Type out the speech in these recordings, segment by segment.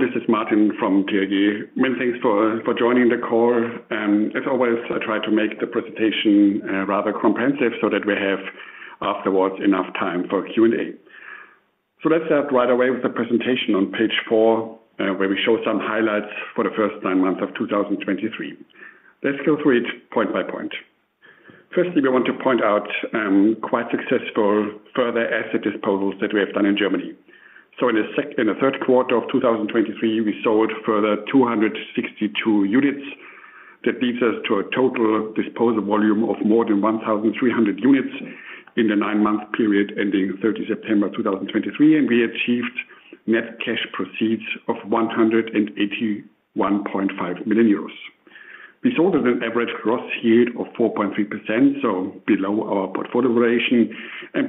This is Martin from TAG. Many thanks for joining the call, and as always, I try to make the presentation rather comprehensive so that we have afterwards enough time for Q&A. Let's start right away with the presentation on page four, where we show some highlights for the first nine months of 2023. Let's go through it point by point. Firstly, we want to point out quite successful further asset disposals that we have done in Germany. In the third quarter of 2023, we sold further 262 units. That leads us to a total disposal volume of more than 1,300 units in the nine month period ending 30 September 2023, and we achieved net cash proceeds of 181.5 million euros. We sold at an average gross yield of 4.3%, so below our portfolio duration.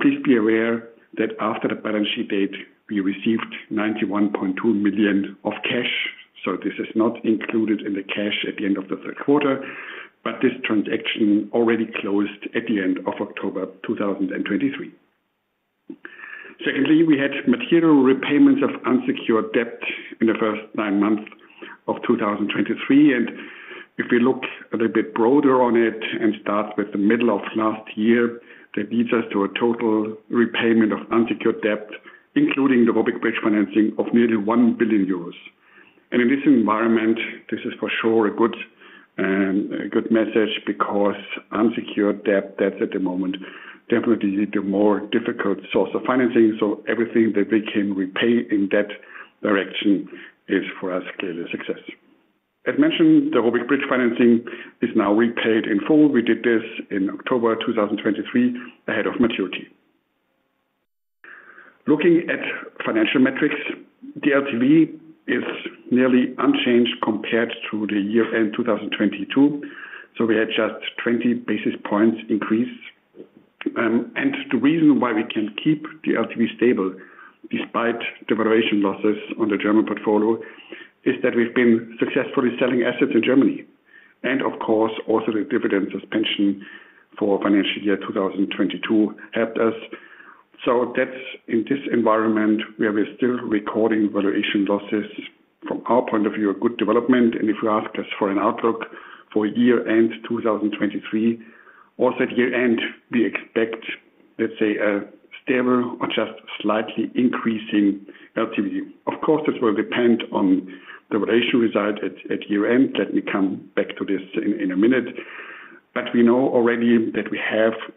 Please be aware that after the balance sheet date, we received 91.2 million of cash, so this is not included in the cash at the end of the third quarter, but this transaction already closed at the end of October 2023. Secondly, we had material repayments of unsecured debt in the first nine months of 2023, and if we look a little bit broader on it and start with the middle of last year, that leads us to a total repayment of unsecured debt, including the public bridge financing of nearly 1 billion euros. In this environment, this is for sure a good, a good message, because unsecured debt, that's at the moment, definitely the more difficult source of financing, so everything that we can repay in that direction is, for us, clearly a success. As mentioned, the public bridge financing is now repaid in full. We did this in October 2023, ahead of maturity. Looking at financial metrics, the LTV is nearly unchanged compared to the year-end 2022, so we had just 20 basis points increase. And the reason why we can keep the LTV stable, despite the valuation losses on the German portfolio, is that we've been successfully selling assets in Germany. And of course, also the dividend suspension for financial year 2022 helped us. So that's in this environment where we're still recording valuation losses from our point of view, a good development, and if you ask us for an outlook for year-end 2023, also at year-end, we expect, let's say, a stable or just slightly increase in LTV. Of course, this will depend on the valuation result at year-end. Let me come back to this in a minute. But we know already that we have the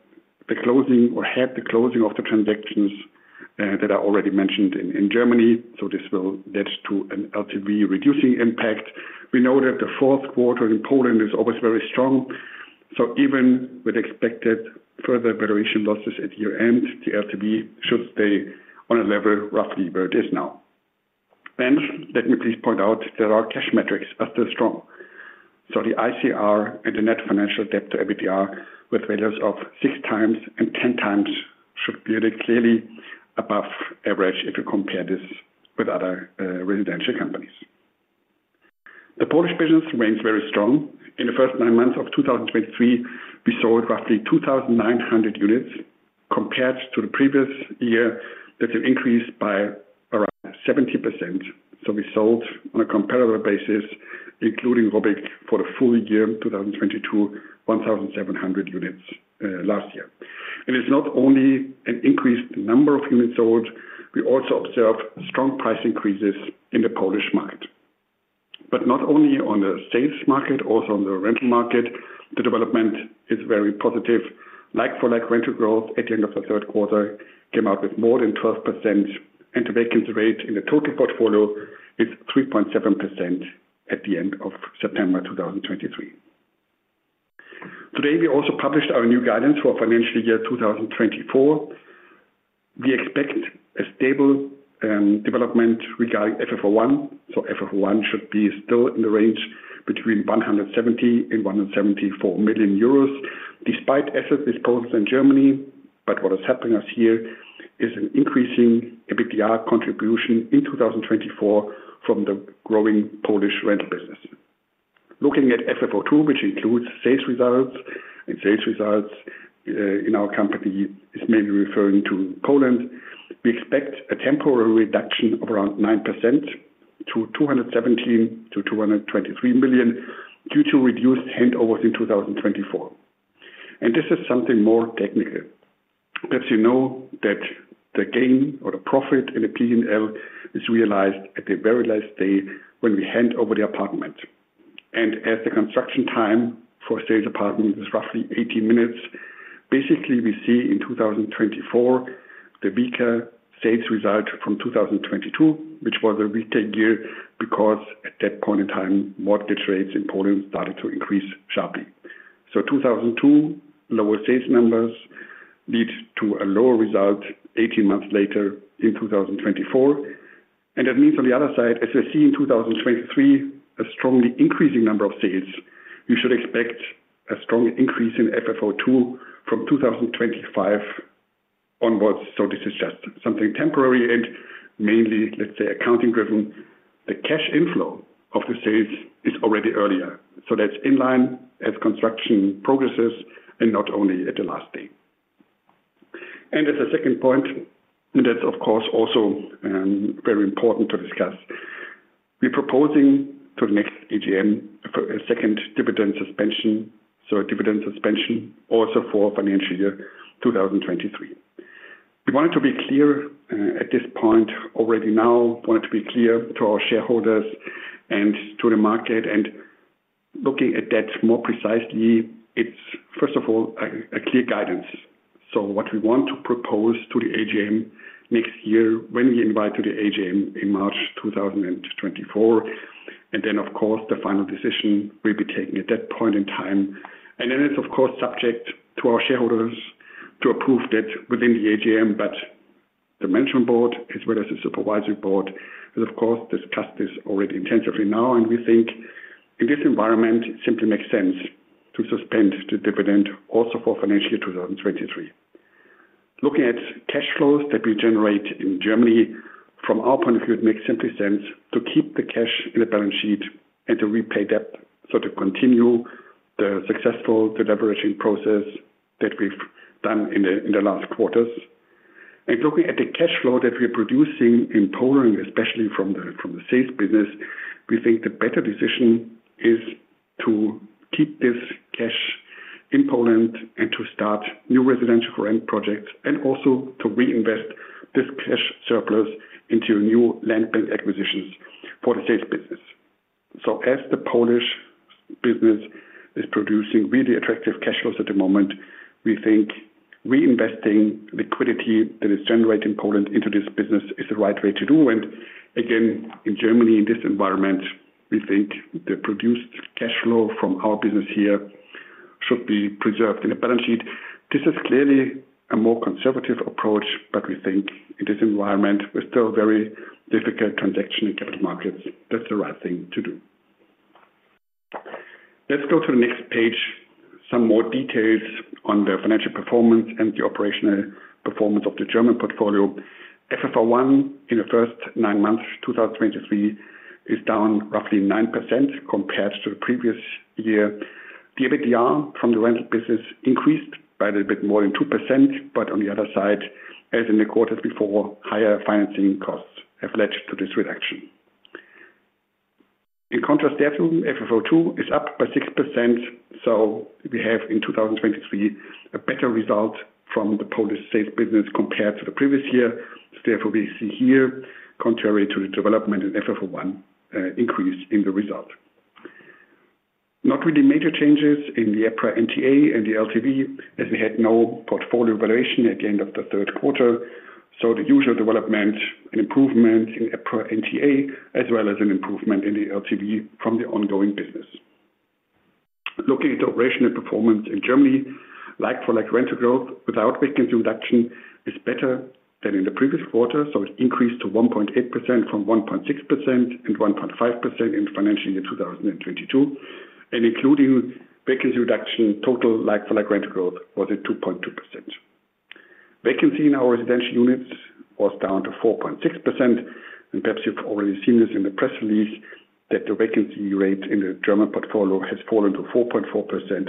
closing or had the closing of the transactions that I already mentioned in Germany, so this will lead to an LTV reducing impact. We know that the fourth quarter in Poland is always very strong, so even with expected further valuation losses at year-end, the LTV should stay on a level, roughly where it is now. Then, let me please point out that our cash metrics are still strong. So the ICR and the net financial debt to EBITDA, with values of 6x and 10x, should be clearly above average if you compare this with other residential companies. The Polish business remains very strong. In the first nine months of 2023, we sold roughly 2,900 units. Com pared to the previous year, that's an increase by around 70%. So we sold on a comparable basis, including ROBYG, for the full-year 2022, 1,700 units last year. And it's not only an increased number of units sold, we also observed strong price increases in the Polish market. But not only on the sales market, also on the rental market, the development is very positive. Like-for-like rental growth at the end of the third quarter came out with more than 12%, and the vacancy rate in the total portfolio is 3.7% at the end of September 2023. Today, we also published our new guidance for financial year 2024. We expect a stable development regarding FFO I. So FFO I should be still in the range between 170 million and 174 million euros, despite asset disposals in Germany. But what is helping us here is an increasing EBITDA contribution in 2024 from the growing Polish rental business. Looking at FFO II, which includes sales results, and sales results in our company, is mainly referring to Poland. We expect a temporary reduction of around 9% to 217 million-223 million, due to reduced handovers in 2024. This is something more technical. As you know, the gain or the profit in the P&L is realized at the very last day when we hand over the apartment, and as the construction time for a sales apartment is roughly eighteen months. Basically, we see in 2024, the weaker sales result from 2022, which was a weaker year, because at that point in time, mortgage rates in Poland started to increase sharply. So 2022, lower sales numbers lead to a lower result eighteen months later in 2024. And that means on the other side, as I see in 2023, a strongly increasing number of sales, you should expect a strong increase in FFO II from 2025 onwards. So this is just something temporary and mainly, let's say, accounting driven. The cash inflow of the sales is already earlier, so that's in line as construction progresses and not only at the last day. And as a second point, and that's of course, also very important to discuss. We're proposing to the next AGM a second dividend suspension, so a dividend suspension also for financial year 2023. We want it to be clear at this point already now, want it to be clear to our shareholders and to the market, and looking at that more precisely, it's first of all a clear guidance. So what we want to propose to the AGM next year, when we invite to the AGM in March 2024, and then, of course, the final decision will be taken at that point in time. And then it's, of course, subject to our shareholders to approve that within the AGM. But the management board, as well as the supervisory board, has of course discussed this already intensively now, and we think in this environment, it simply makes sense to suspend the dividend also for financial year 2023. Looking at cash flows that we generate in Germany, from our point of view, it makes simply sense to keep the cash in the balance sheet and to repay debt, so to continue the successful deleveraging process that we've done in the last quarters. Looking at the cash flow that we are producing in Poland, especially from the sales business, we think the better decision is to keep this cash in Poland and to start new residential rent projects, and also to reinvest this cash surplus into new land bank acquisitions for the sales business. As the Polish business is producing really attractive cash flows at the moment, we think reinvesting liquidity that is generated in Poland into this business is the right way to do. And again, in Germany, in this environment, we think the produced cash flow from our business here should be preserved in the balance sheet. This is clearly a more conservative approach, but we think in this environment, with still very difficult transaction in capital markets, that's the right thing to do. Let's go to the next page, some more details on the financial performance and the operational performance of the German portfolio. FFO I in the first nine months, 2023, is down roughly 9% compared to the previous year. The EBITDA from the rental business increased by a little bit more than 2%, but on the other side, as in the quarter before, higher financing costs have led to this reduction. In contrast, therefore, FFO II is up by 6%, so we have in 2023, a better result from the Polish sales business compared to the previous year. Therefore, we see here, contrary to the development in FFO I, increase in the result. Not really major changes in the EPRA NTA and the LTV, as we had no portfolio valuation at the end of the third quarter. So the usual development, an improvement in EPRA NTA, as well as an improvement in the LTV from the ongoing business. Looking at the operational performance in Germany, like for like rental growth, without vacancy reduction, is better than in the previous quarter, so it increased to 1.8% from 1.6% and 1.5% in financial year 2022. And including vacancy reduction, total like for like rental growth was at 2.2%. Vacancy in our residential units was down to 4.6%, and perhaps you've already seen this in the press release, that the vacancy rate in the German portfolio has fallen to 4.4%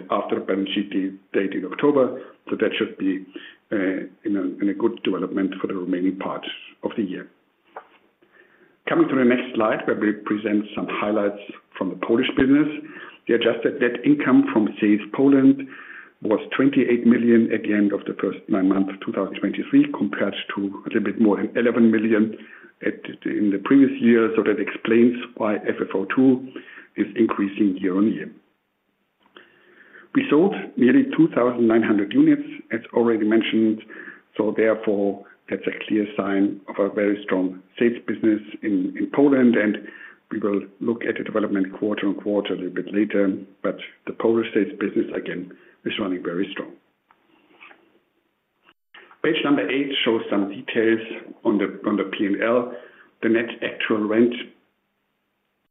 after the balance sheet date in October. So that should be in a good development for the remaining part of the year. Coming to the next slide, where we present some highlights from the Polish business. The adjusted net income from sales Poland was 28 million at the end of the first nine months of 2023, compared to a little bit more than 11 million at, in the previous year. So that explains why FFO II is increasing year-on-year. We sold nearly 2,900 units, as already mentioned, so therefore, that's a clear sign of a very strong sales business in, in Poland, and we will look at the development quarter-on-quarter a little bit later. But the Polish business, again, is running very strong. Page number eight shows some details on the, on the P&L. The net actual rent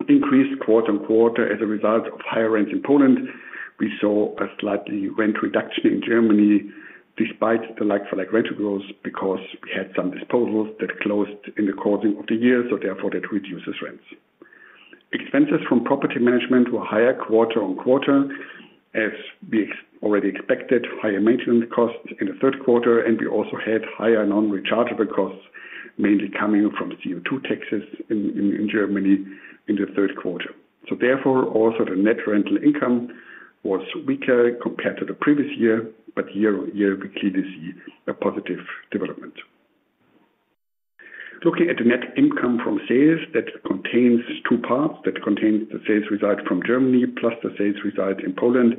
increased quarter-on-quarter as a result of higher rents in Poland. We saw a slightly rent reduction in Germany, despite the like for like rental growth, because we had some disposals that closed in the course of the year, so therefore, that reduces rents. Expenses from property management were higher quarter-on-quarter, as we already expected, higher maintenance costs in the third quarter, and we also had higher non-rechargeable costs, mainly coming from CO2 taxes in Germany in the third quarter. So therefore, also the net rental income was weaker compared to the previous year, but year-on-year, we clearly see a positive development. Looking at the net income from sales, that contains two parts, that contains the sales result from Germany, plus the sales result in Poland.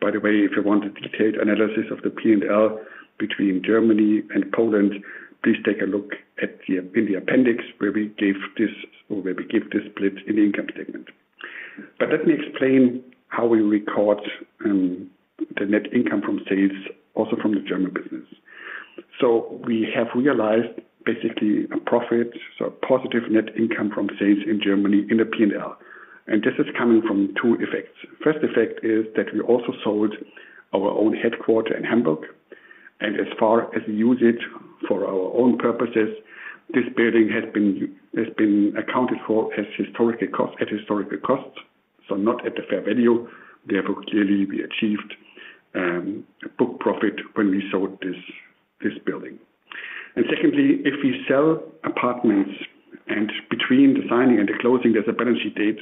By the way, if you want a detailed analysis of the P&L between Germany and Poland, please take a look at the appendix, where we gave this, or where we give this split in the income statement. But let me explain how we record the net income from sales, also from the German business. So we have realized basically a profit, so a positive net income from sales in Germany in the P&L, and this is coming from two effects. First effect is that we also sold our own headquarters in Hamburg, and as far as usage for our own purposes, this building has been accounted for as historical cost, at historical costs. So not at the fair value. Therefore, clearly we achieved a book profit when we sold this building. And secondly, if we sell apartments and between the signing and the closing, there's a balance sheet date.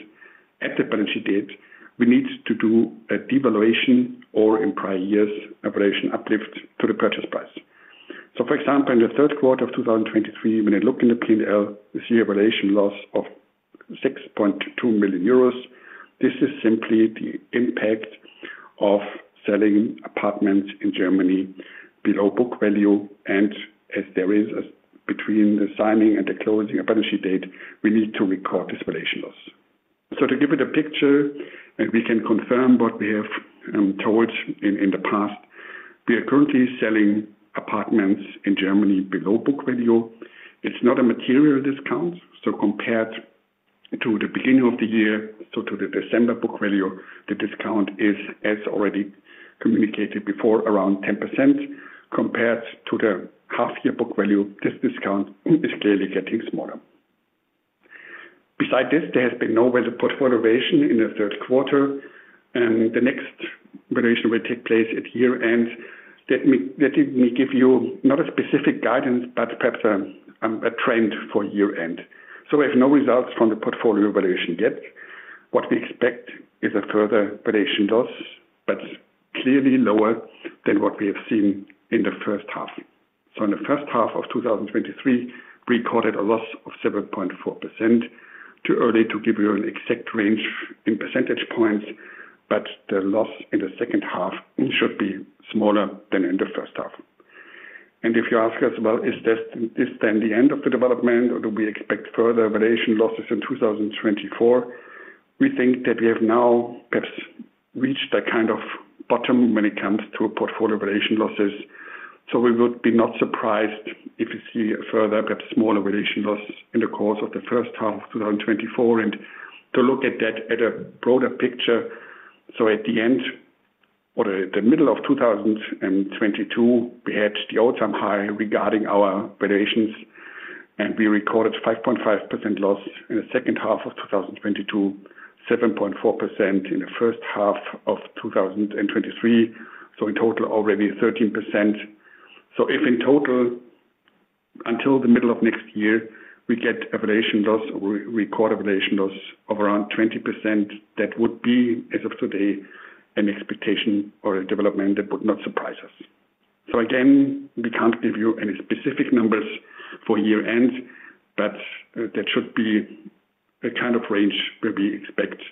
At the balance sheet date, we need to do a devaluation or in prior years, evaluation uplift to the purchase price. So for example, in the third quarter of 2023, when I look in the P&L, we see a valuation loss of 6.2 million euros. This is simply the impact of selling apartments in Germany below book value, and as there is between the signing and the closing of balance sheet date, we need to record this valuation loss. So to give it a picture, and we can confirm what we have told in the past, we are currently selling apartments in Germany below book value. It's not a material discount, so compared to the beginning of the year, so to the December book value, the discount is, as already communicated before, around 10%. Compared to the half year book value, this discount is clearly getting smaller. Besides this, there has been no further portfolio valuation in the third quarter, and the next valuation will take place at year-end. Let me give you not a specific guidance, but perhaps a trend for year-end. We have no results from the portfolio valuation yet. What we expect is a further valuation loss, but clearly lower than what we have seen in the first half. In the first half of 2023, we recorded a loss of 7.4%. Too early to give you an exact range in percentage points, but the loss in the second half should be smaller than in the first half. And if you ask us, well, is this, is this then the end of the development, or do we expect further valuation losses in 2024? We think that we have now perhaps reached a kind of bottom when it comes to a portfolio valuation losses. So we would be not surprised if you see a further, perhaps smaller valuation loss in the course of the first half of 2024. To look at that at a broader picture, so at the end or the middle of 2022, we had the all-time high regarding our valuations, and we recorded 5.5% loss in the second half of 2022, 7.4% in the first half of 2023. So in total, already 13%. So if in total, until the middle of next year, we get valuation loss, we record a valuation loss of around 20%, that would be, as of today, an expectation or a development that would not surprise us. So again, we can't give you any specific numbers for year-end, but that should be the kind of range where we expect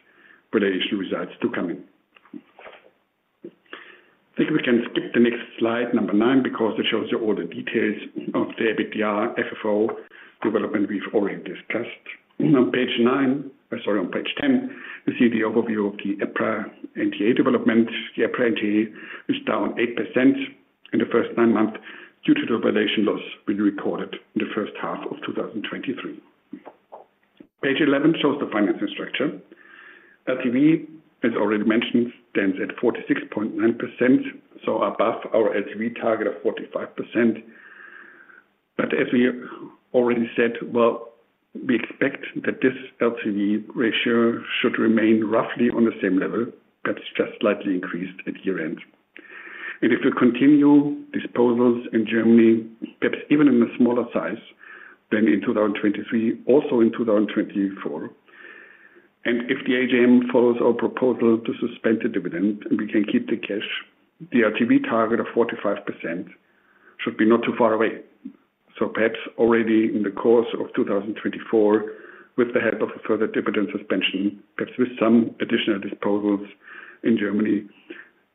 valuation results to come in. I think we can skip the next slide, number nine, because it shows you all the details of the EBITDA, FFO development we've already discussed. On page nine, sorry, on page 10, you see the overview of the EPRA NTA development. The EPRA NTA is down 8% in the first nine months due to the valuation loss we recorded in the first half of 2023. Page 11 shows the financing structure. LTV, as already mentioned, stands at 46.9%, so above our LTV target of 45%. But as we already said, we expect that this LTV ratio should remain roughly on the same level, but it's just slightly increased at year-end. And if we continue disposals in Germany, perhaps even in a smaller size than in 2023, also in 2024, and if the AGM follows our proposal to suspend the dividend and we can keep the cash, the LTV target of 45% should be not too far away. So perhaps already in the course of 2024, with the help of a further dividend suspension, perhaps with some additional disposals in Germany.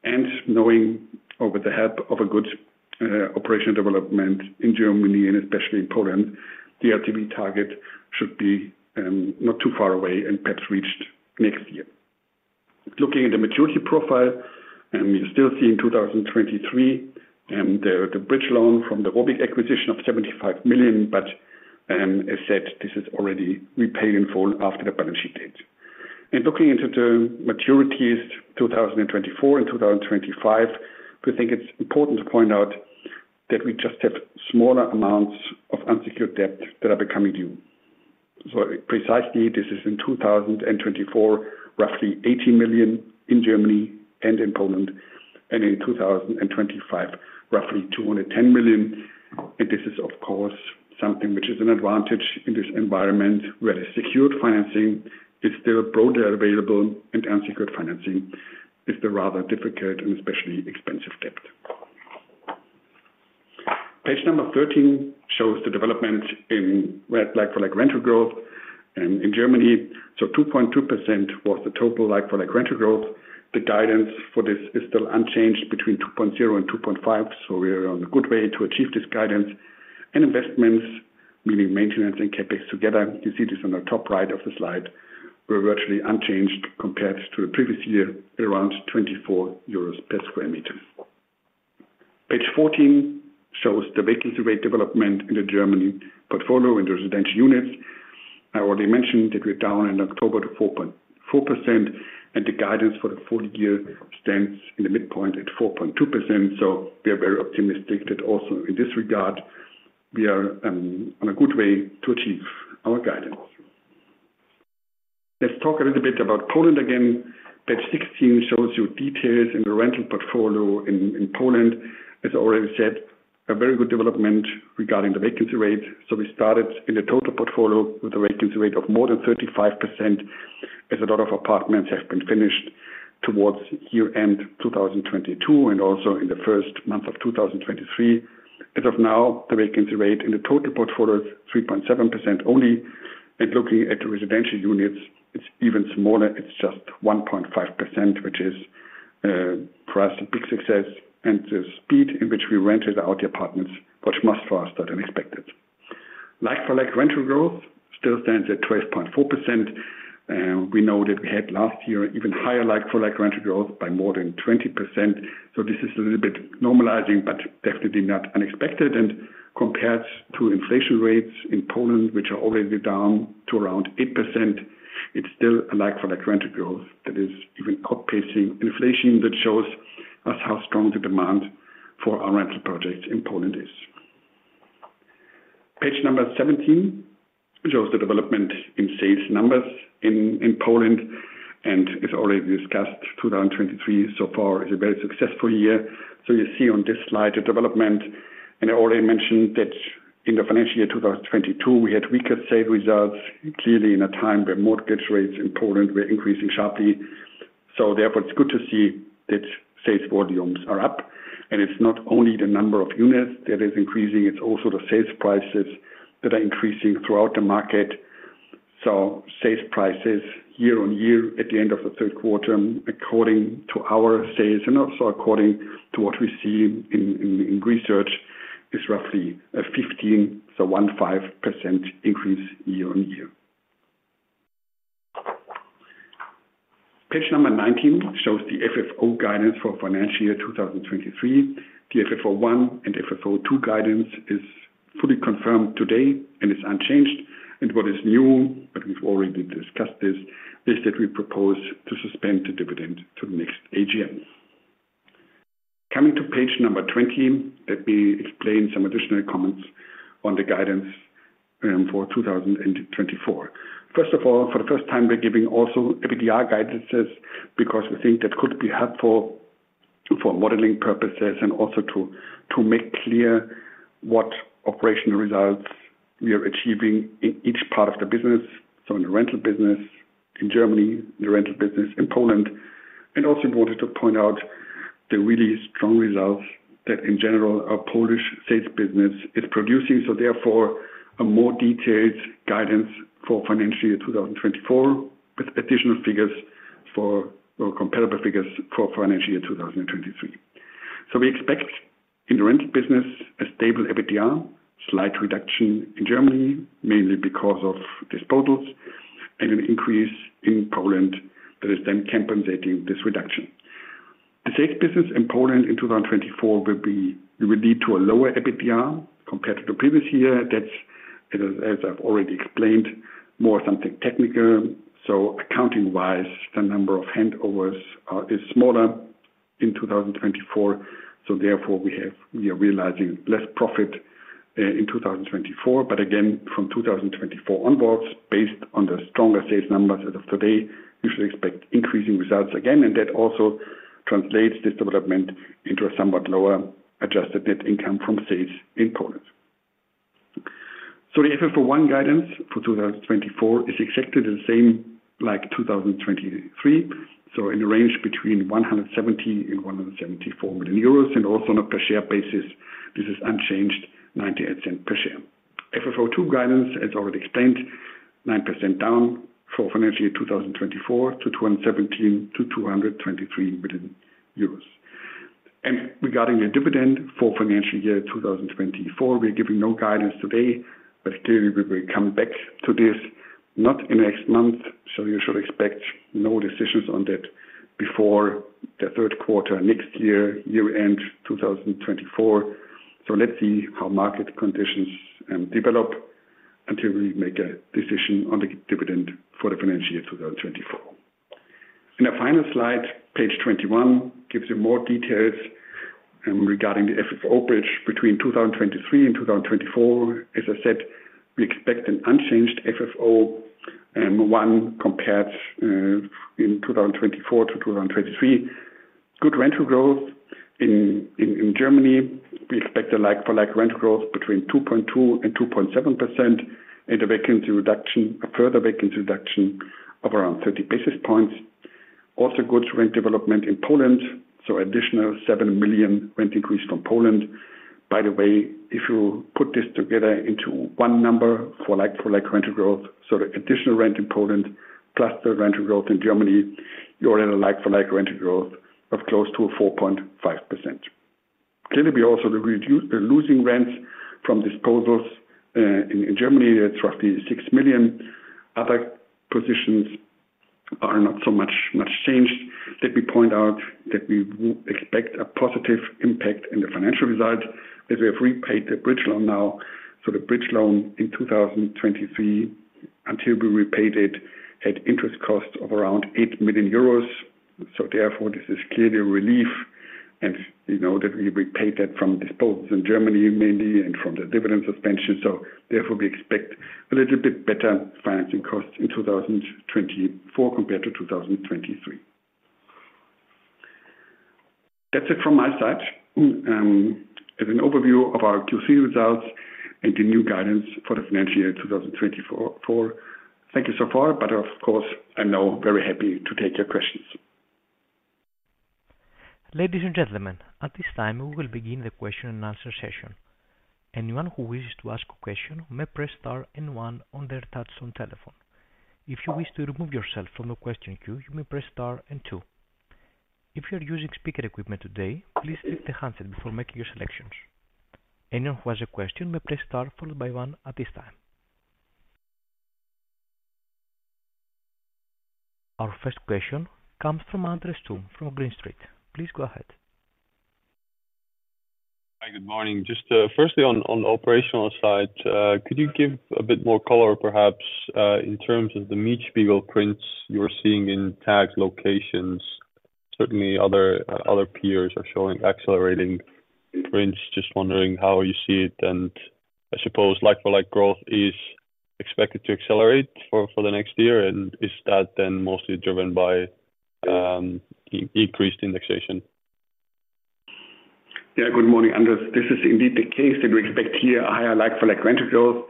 And knowing or with the help of a good operational development in Germany and especially in Poland, the LTV target should be not too far away and perhaps reached next year. Looking at the maturity profile, we still see in 2023 the bridge loan from the ROBYG acquisition of 75 million, but as said, this is already repaid in full after the balance sheet date. Looking into the maturities, 2024 and 2025, we think it's important to point out that we just have smaller amounts of unsecured debt that are becoming due. Precisely, this is in 2024, roughly 80 million in Germany and in Poland, and in 2025, roughly 210 million. And this is, of course, something which is an advantage in this environment, where a secured financing is still broadly available, and unsecured financing is the rather difficult and especially expensive debt. Page number 13 shows the development in like-for-like rental growth in Germany. So 2.2% was the total like-for-like rental growth. The guidance for this is still unchanged between 2.0% and 2.5%, so we are on a good way to achieve this guidance. And investments, meaning maintenance and CapEx together, you see this on the top right of the slide, were virtually unchanged compared to the previous year, around 24 euros per sq m. Page 14 shows the vacancy rate development in the Germany portfolio in the residential units. I already mentioned that we're down in October to 4.4%, and the guidance for the full-year stands in the midpoint at 4.2%. So we are very optimistic that also in this regard we are on a good way to achieve our guidance. Let's talk a little bit about Poland again. Page 16 shows you details in the rental portfolio in Poland. As I already said, a very good development regarding the vacancy rate. So we started in the total portfolio with a vacancy rate of more than 35%, as a lot of apartments have been finished towards year-end 2022, and also in the first month of 2023. As of now, the vacancy rate in the total portfolio is 3.7% only, and looking at the residential units, it's even smaller. It's just 1.5%, which is, for us, a big success. And the speed in which we rented out the apartments was much faster than expected. Like-for-like rental growth still stands at 12.4%. We know that we had last year even higher like-for-like rental growth by more than 20%. So this is a little bit normalizing, but definitely not unexpected. Compared to inflation rates in Poland, which are already down to around 8%, it's still a like-for-like rental growth that is even outpacing inflation, that shows us how strong the demand for our rental projects in Poland is. Page 17 shows the development in sales numbers in Poland, and as already discussed, 2023 so far is a very successful year. So you see on this slide, the development, and I already mentioned that in the financial year 2022, we had weaker sales results, clearly in a time where mortgage rates in Poland were increasing sharply. So therefore, it's good to see that sales volumes are up, and it's not only the number of units that is increasing, it's also the sales prices that are increasing throughout the market. So sales prices year-over-year at the end of the third quarter, according to our sales, and also according to what we see in research, is roughly 15% increase year-over-year. Page 19 shows the FFO guidance for financial year 2023. The FFO I and FFO II guidance is fully confirmed today and is unchanged. And what is new, but we've already discussed this, is that we propose to suspend the dividend to the next AGM. Coming to page 20, let me explain some additional comments on the guidance for 2024. First of all, for the first time, we're giving also EBITDA guidances, because we think that could be helpful for modeling purposes and also to make clear what operational results we are achieving in each part of the business. So in the rental business in Germany, the rental business in Poland, and also important to point out the really strong results that in general, our Polish sales business is producing. So therefore, a more detailed guidance for financial year 2024, with additional figures for or comparable figures for financial year 2023. So we expect in the rental business, a stable EBITDA, slight reduction in Germany, mainly because of disposals and an increase in Poland, that is then compensating this reduction. The sales business in Poland in 2024 will be, will lead to a lower EBITDA compared to the previous year. That's, as, as I've already explained, more something technical. So accounting-wise, the number of handovers is smaller in 2024, so therefore, we have we are realizing less profit in 2024. But again, from 2024 onwards, based on the stronger sales numbers as of today, we should expect increasing results again, and that also translates this development into a somewhat lower adjusted net income from sales in Poland. So the FFO I guidance for 2024 is exactly the same like 2023. So in the range between 170 million and 174 million euros, and also on a per share basis, this is unchanged, 98 cents per share. FFO II guidance, as already explained, 9% down for financial year 2024 to 217 million-223 million euros. Regarding the dividend for financial year 2024, we are giving no guidance today, but clearly, we will come back to this, not in next month, so you should expect no decisions on that before the third quarter next year, year-end 2024. So let's see how market conditions develop until we make a decision on the dividend for the financial year 2024. In the final slide, page 21, gives you more details regarding the FFO bridge between 2023 and 2024. As I said, we expect an unchanged FFO one compared in 2024 to 2023. Good rental growth in Germany. We expect a like-for-like rental growth between 2.2% and 2.7%, and a vacancy reduction, a further vacancy reduction of around 30 basis points. Also, good rent development in Poland, so additional 7 million rent increase from Poland. By the way, if you put this together into one number for like-for-like rental growth, so the additional rent in Poland plus the rental growth in Germany, you're in a like-for-like rental growth of close to 4.5%. Clearly, we also losing rents from disposals in Germany, at roughly 6 million. Other positions are not so much changed. Let me point out that we expect a positive impact in the financial result, as we have repaid the bridge loan now. So the bridge loan in 2023, until we repaid it, had interest costs of around 8 million euros, So therefore, this is clearly a relief, and, you know, that we, we paid that from disposals in Germany mainly, and from the dividend suspension. So therefore, we expect a little bit better financing costs in 2024 compared to 2023. That's it from my side. As an overview of our Q3 results and the new guidance for the financial year 2024. Thank you so far, but of course, I'm now very happy to take your questions. Ladies and gentlemen, at this time, we will begin the question and answer session. Anyone who wishes to ask a question may press star and one on their touchtone telephone. If you wish to remove yourself from the question queue, you may press star and two. If you are using speaker equipment today, please click the handset before making your selections. Anyone who has a question may press star, followed by one at this time. Our first question comes from Andres Toome, from Green Street. Please go ahead. Hi, good morning. Just, firstly, on the operational side, could you give a bit more color, perhaps, in terms of the Mietspiegel prints you're seeing in TAG's locations? Certainly other peers are showing accelerating trends. Just wondering how you see it, and I suppose like-for-like growth is expected to accelerate for the next year. And is that then mostly driven by increased indexation? Yeah. Good morning, Andres. This is indeed the case, that we expect here a higher like-for-like rental growth.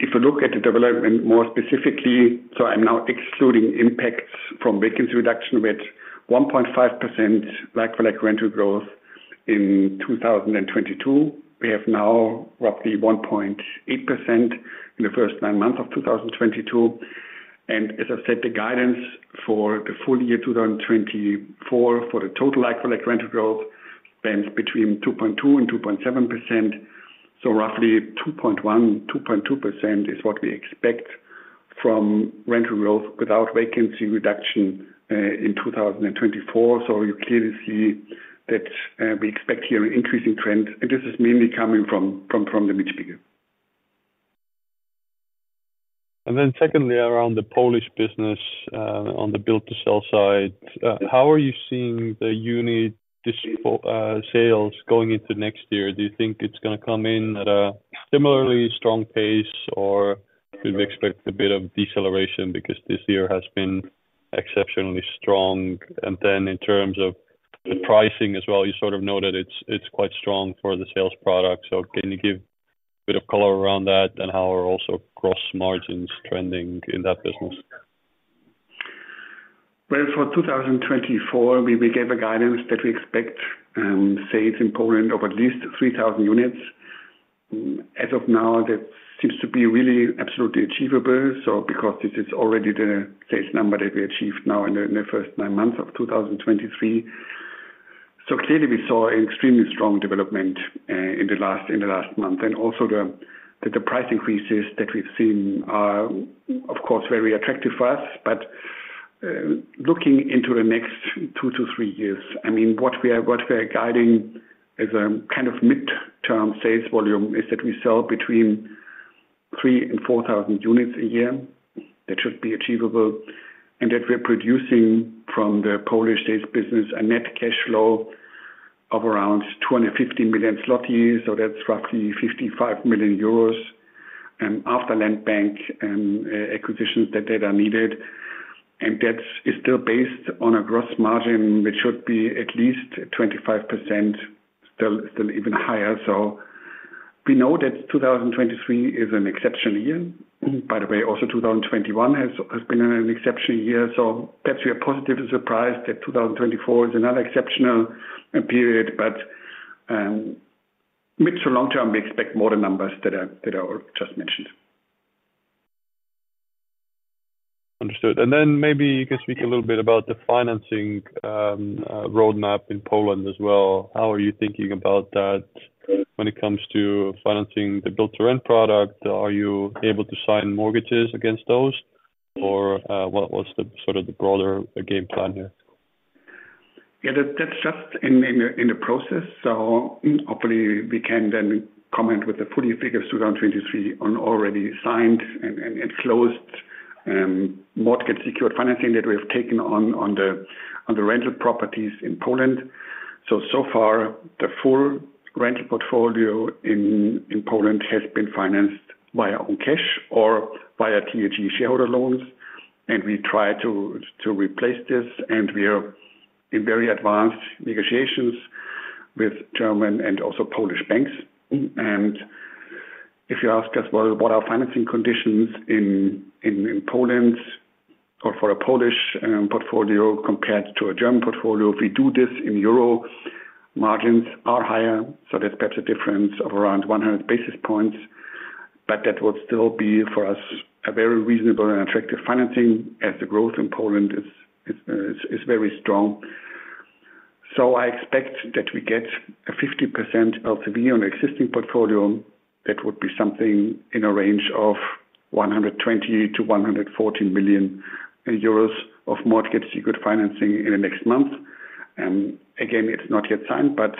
If you look at the development more specifically, so I'm now excluding impacts from vacancy reduction with 1.5% like-for-like rental growth in 2022. We have now roughly 1.8% in the first nine months of 2022. And as I said, the guidance for the full-year, 2024, for the total like-for-like rental growth, stands between 2.2% and 2.7%. So roughly 2.1%-2.2% is what we expect from rental growth without vacancy reduction in 2024. So you clearly see that, we expect here an increasing trend, and this is mainly coming from the Mietspiegel. And then secondly, around the Polish business, on the build-to-sell side, how are you seeing the unit sales going into next year? Do you think it's gonna come in at a similarly strong pace, or should we expect a bit of deceleration because this year has been exceptionally strong? And then in terms of the pricing as well, you sort of know that it's, it's quite strong for the sales product. So can you give a bit of color around that, and how are also gross margins trending in that business? Well, for 2024, we gave a guidance that we expect sales in Poland of at least 3,000 units. As of now, that seems to be really absolutely achievable, so because this is already the sales number that we achieved now in the first nine months of 2023. So clearly we saw an extremely strong development in the last month. And also the price increases that we've seen are, of course, very attractive for us. But looking into the next two to three years, I mean, what we are guiding as a kind of mid-term sales volume, is that we sell between 3,000 and 4,000 units a year. That should be achievable. And that we're producing from the Polish sales business, a net cash flow of around 250 million zloty, so that's roughly 55 million euros, and after land bank and acquisitions that are needed. And that is still based on a gross margin, which should be at least 25%, still, still even higher. So we know that 2023 is an exceptional year. By the way, also 2021 has been an exceptional year. So perhaps we are positively surprised that 2024 is another exceptional period. But mid- to long-term, we expect more numbers that I just mentioned. Understood. And then maybe you can speak a little bit about the financing, roadmap in Poland as well. How are you thinking about that when it comes to financing the build-to-rent product? Are you able to sign mortgages against those, or, what, what's the sort of the broader game plan here? Yeah, that's just in the process. So hopefully we can then comment with the full figure of 2023 on already signed and closed mortgage secured financing that we have taken on the rental properties in Poland. So far, the full rental portfolio in Poland has been financed via own cash or via TAG shareholder loans, and we try to replace this, and we are in very advanced negotiations with German and also Polish banks. And if you ask us what are our financing conditions in Poland or for a Polish portfolio compared to a German portfolio, if we do this in euro, margins are higher, so there's perhaps a difference of around 100 basis points. But that would still be, for us, a very reasonable and attractive financing, as the growth in Poland is very strong. So I expect that we get a 50% LTV on the existing portfolio. That would be something in a range of 120 million-114 million euros of mortgage secured financing in the next month. And again, it's not yet signed, but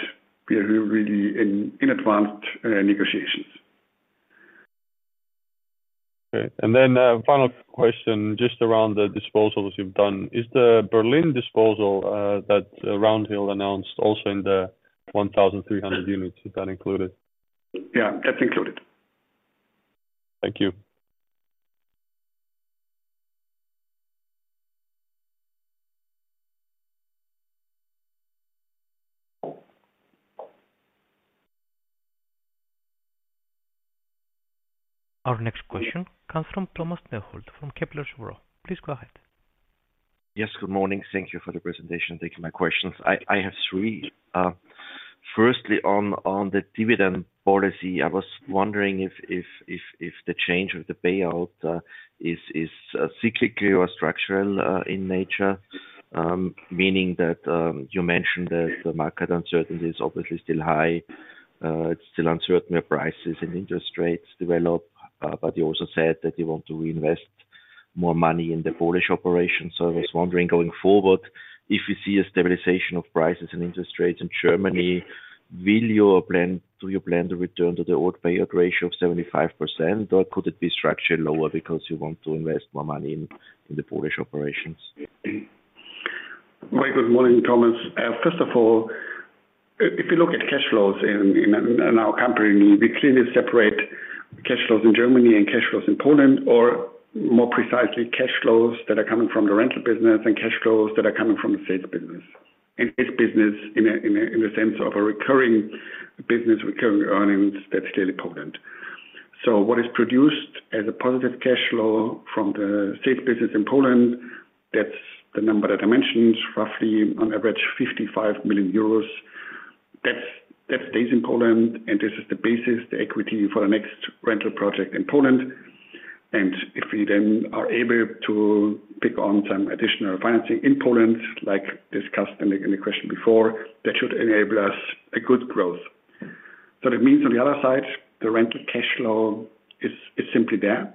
we are really in advanced negotiations. Okay, and then, final question, just around the disposals you've done. Is the Berlin disposal that Round Hill announced also in the 1,300 units, is that included? Yeah, that's included. Thank you. Our next question comes from Thomas Neuhold, from Kepler Cheuvreux. Please go ahead. Yes, good morning. Thank you for the presentation. Thank you, my questions. I have three. Firstly, on the dividend policy, I was wondering if the change of the payout is cyclically or structural in nature. Meaning that, you mentioned that the market uncertainty is obviously still high, it's still uncertain where prices and interest rates develop. But you also said that you want to reinvest more money in the Polish operation. So I was wondering, going forward, if you see a stabilization of prices and interest rates in Germany, will you plan, do you plan to return to the old payout ratio of 75%, or could it be structured lower because you want to invest more money in the Polish operations? Very good morning, Thomas. First of all, if you look at cash flows in our company, we clearly separate cash flows in Germany and cash flows in Poland, or more precisely, cash flows that are coming from the rental business and cash flows that are coming from the sales business. In this business, in the sense of a recurring business, recurring earnings, that's still in Poland. So what is produced as a positive cash flow from the sales business in Poland, that's the number that I mentioned, roughly on average, 55 million euros. That stays in Poland, and this is the basis, the equity for the next rental project in Poland. And if we then are able to pick up some additional financing in Poland, like discussed in the question before, that should enable us a good growth. So that means, on the other side, the rental cash flow is simply there,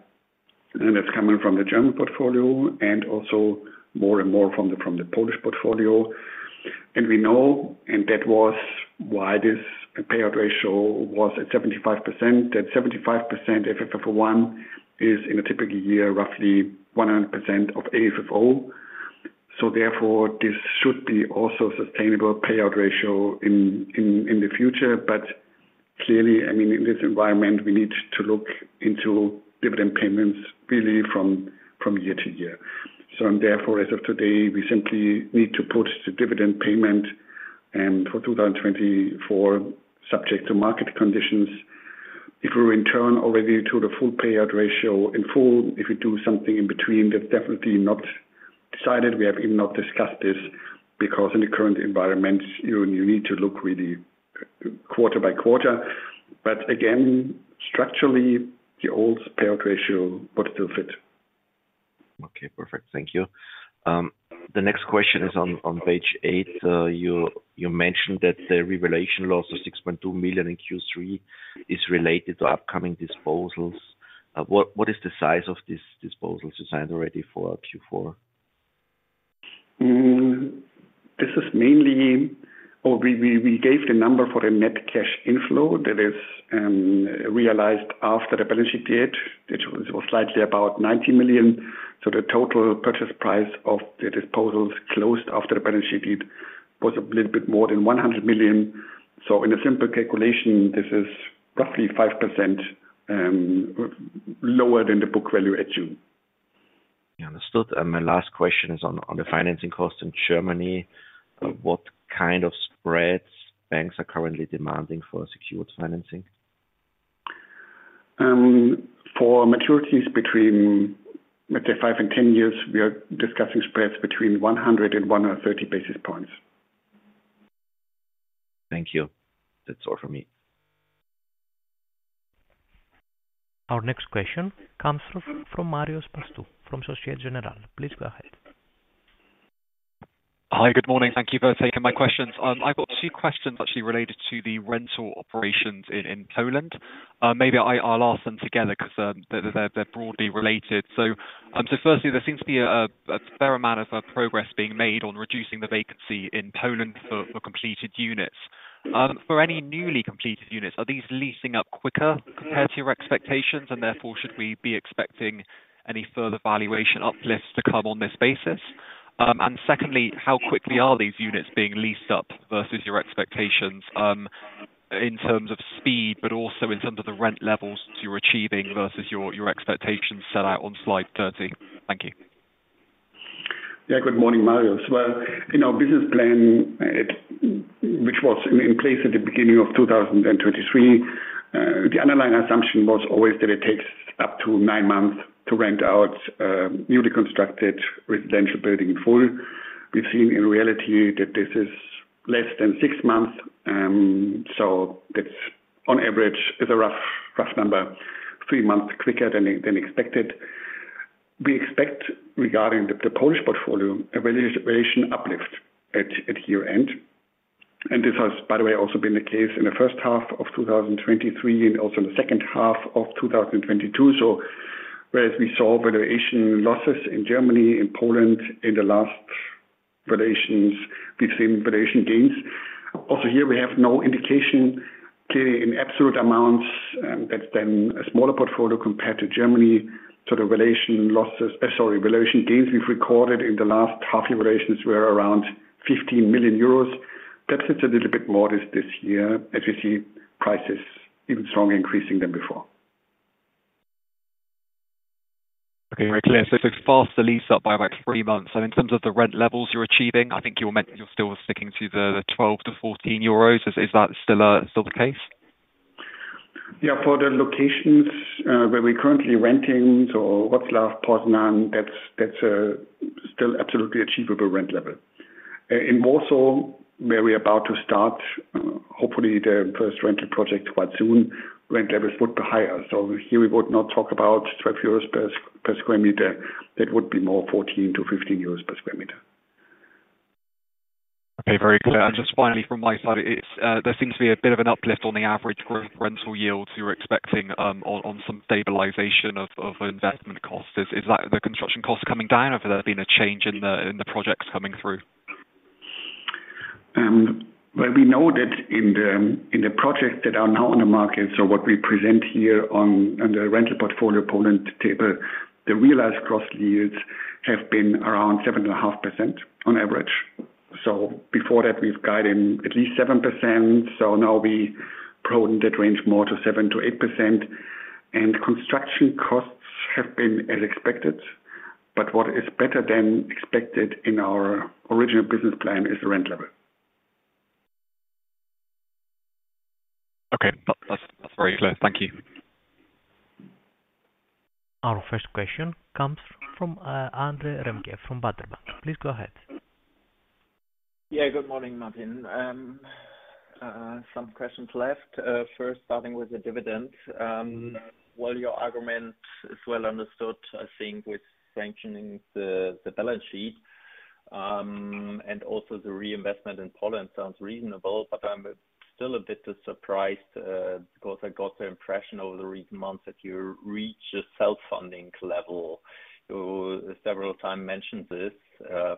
and it's coming from the German portfolio and also more and more from the, from the Polish portfolio. And we know, and that was why this payout ratio was at 75%. That 75% FFO I is in a typical year, roughly 100% of AFFO. So therefore, this should be also sustainable payout ratio in, in, in the future. But clearly, I mean, in this environment, we need to look into dividend payments really from, from year to year. So and therefore, as of today, we simply need to put the dividend payment and for 2024, subject to market conditions, if we return already to the full payout ratio in full, if we do something in between, that's definitely not decided. We have even not discussed this, because in the current environment, you, you need to look really quarter by quarter. But again, structurally, the old payout ratio would still fit. Okay, perfect. Thank you. The next question is on page eight. You mentioned that the revaluation loss of 6.2 million in Q3 is related to upcoming disposals. What is the size of this disposal designed already for Q4? This is mainly or we gave the number for the net cash inflow that is realized after the balance sheet date, which was slightly about 90 million. So the total purchase price of the disposals closed after the balance sheet date was a little bit more than 100 million. So in a simple calculation, this is roughly 5% lower than the book value at June. Yeah, understood. My last question is on the financing costs in Germany. What kind of spreads banks are currently demanding for secured financing? For maturities between, let's say, five and 10 years, we are discussing spreads between 100 and 130 basis points. Thank you. That's all for me. Our next question comes from Marios Pastou from Société Générale. Please go ahead. Hi, good morning. Thank you for taking my questions. I've got two questions actually related to the rental operations in Poland. Maybe I'll ask them together because they're broadly related. So, firstly, there seems to be a fair amount of progress being made on reducing the vacancy in Poland for completed units. For any newly completed units, are these leasing up quicker compared to your expectations, and therefore, should we be expecting any further valuation uplifts to come on this basis? And secondly, how quickly are these units being leased up versus your expectations, in terms of speed, but also in terms of the rent levels you're achieving versus your expectations set out on slide 30? Thank you. Yeah. Good morning, Marios. Well, in our business plan, it, which was in place at the beginning of 2023, the underlying assumption was always that it takes up to nine months to rent out newly constructed residential building in full. We've seen in reality that this is less than six months, so that's on average is a rough, rough number, three months quicker than expected. We expect, regarding the Polish portfolio, a revaluation uplift at year-end. And this has, by the way, also been the case in the first half of 2023 and also in the second half of 2022. So whereas we saw valuation losses in Germany, in Poland in the last valuations between valuation gains. Also here, we have no indication, clearly in absolute amounts, that's then a smaller portfolio compared to Germany. So the valuation losses, sorry, valuation gains we've recorded in the last half year valuations were around 15 million euros. Perhaps it's a little bit more this year, as you see prices even strongly increasing than before. Okay, very clear. So fast the lease up by about three months. So in terms of the rent levels you're achieving, I think you meant you're still sticking to the 12-14 euros EUR. Is that still the case? Yeah, for the locations where we're currently renting, so Wrocław, Poznań, that's still absolutely achievable rent level. In Warsaw, where we're about to start, hopefully, the first rental project quite soon, rent levels would be higher. So here we would not talk about 12 euros per sq m. That would be more 14-15 euros per sq m. Okay, very clear. And just finally, from my side, it's there seems to be a bit of an uplift on the average growth rental yields you're expecting, on some stabilization of investment costs. Is that the construction costs are coming down, or have there been a change in the projects coming through? Well, we know that in the projects that are now on the market, so what we present here on the rental portfolio Poland table, the realized gross yields have been around 7.5% on average. So before that, we've guided at least 7%, so now we broaden that range more to 7%-8%. And construction costs have been as expected, but what is better than expected in our original business plan is the rent level. Okay, that's, that's very clear. Thank you. Our first question comes from Andre Remke, from Baader Bank. Please go ahead. Yeah, good morning, Martin. Some questions left. First, starting with the dividend. Well, your argument is well understood, I think, with sanctioning the, the balance sheet. And also the reinvestment in Poland sounds reasonable, but I'm still a bit surprised, because I got the impression over the recent months that you reached a self-funding level. So several time mentioned this,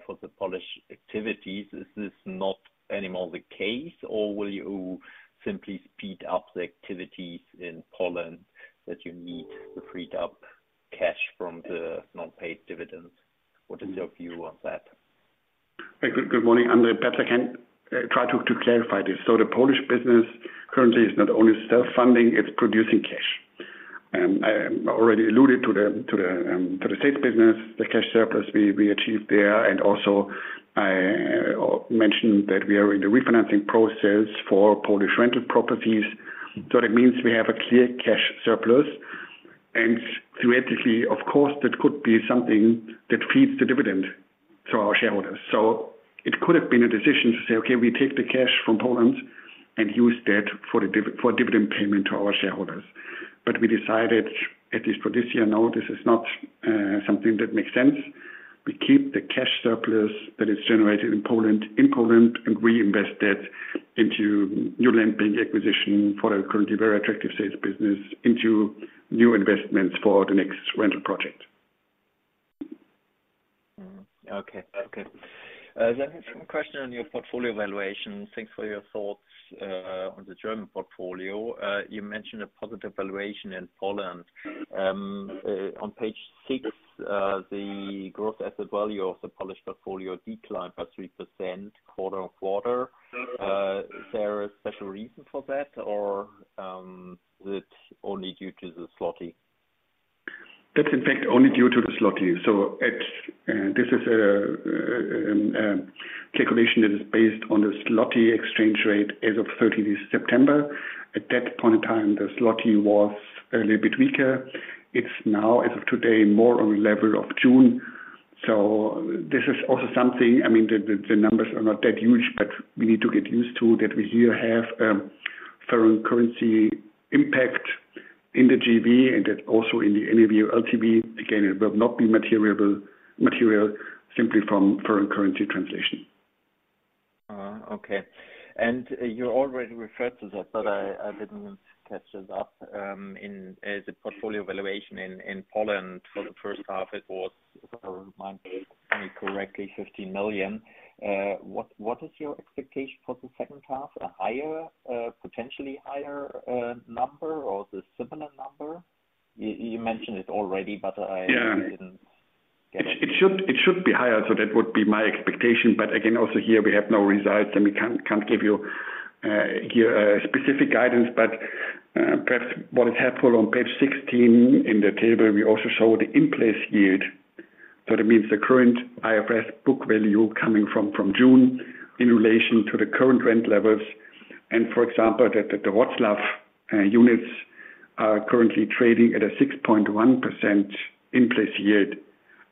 for the Polish activities. Is this not anymore the case, or will you simply speed up the activities in Poland that you need to freed up cash from the non-paid dividends? What is your view on that? Good morning, Andre. Perhaps I can try to clarify this. So the Polish business currently is not only self-funding, it's producing cash. I already alluded to the sales business, the cash surplus we achieved there. And also, I mentioned that we are in the refinancing process for Polish rental properties. So that means we have a clear cash surplus, and theoretically, of course, that could be something that feeds the dividend to our shareholders. So it could have been a decision to say, "Okay, we take the cash from Poland and use that for dividend payment to our shareholders." But we decided, at least for this year, no, this is not something that makes sense. We keep the cash surplus that is generated in Poland, in Poland, and reinvest that into new land acquisition for a currently very attractive sales business into new investments for the next rental project. Okay. Okay. Then some question on your portfolio valuation. Thanks for your thoughts on the German portfolio. You mentioned a positive valuation in Poland. On page six, the gross asset value of the Polish portfolio declined by 3% quarter-on-quarter. Is there a special reason for that, or is it only due to the złoty? That's in fact, only due to the zloty. So at, this is a calculation that is based on the zloty exchange rate as of 30th September. At that point in time, the zloty was a little bit weaker. It's now, as of today, more on the level of June. So this is also something, I mean, the numbers are not that huge, but we need to get used to, that we here have, foreign currency impact in the GB and that also in the NAV LTB. Again, it will not be material simply from foreign currency translation. Okay. And you already referred to that, but I, I didn't catch this up, in, as a portfolio valuation in, in Poland. For the first half, it was, remind me correctly, 50 million. What, what is your expectation for the second half? A higher, potentially higher, number or the similar number? You, you mentioned it already, but I Yeah. Didn't get it. It should be higher, so that would be my expectation. But again, also here, we have no results, and we can't give you here a specific guidance. But perhaps what is helpful on page 16, in the table, we also show the in-place yield. So that means the current IFRS book value coming from June in relation to the current rent levels. And, for example, that the Wrocław units are currently trading at a 6.1% in-place yield,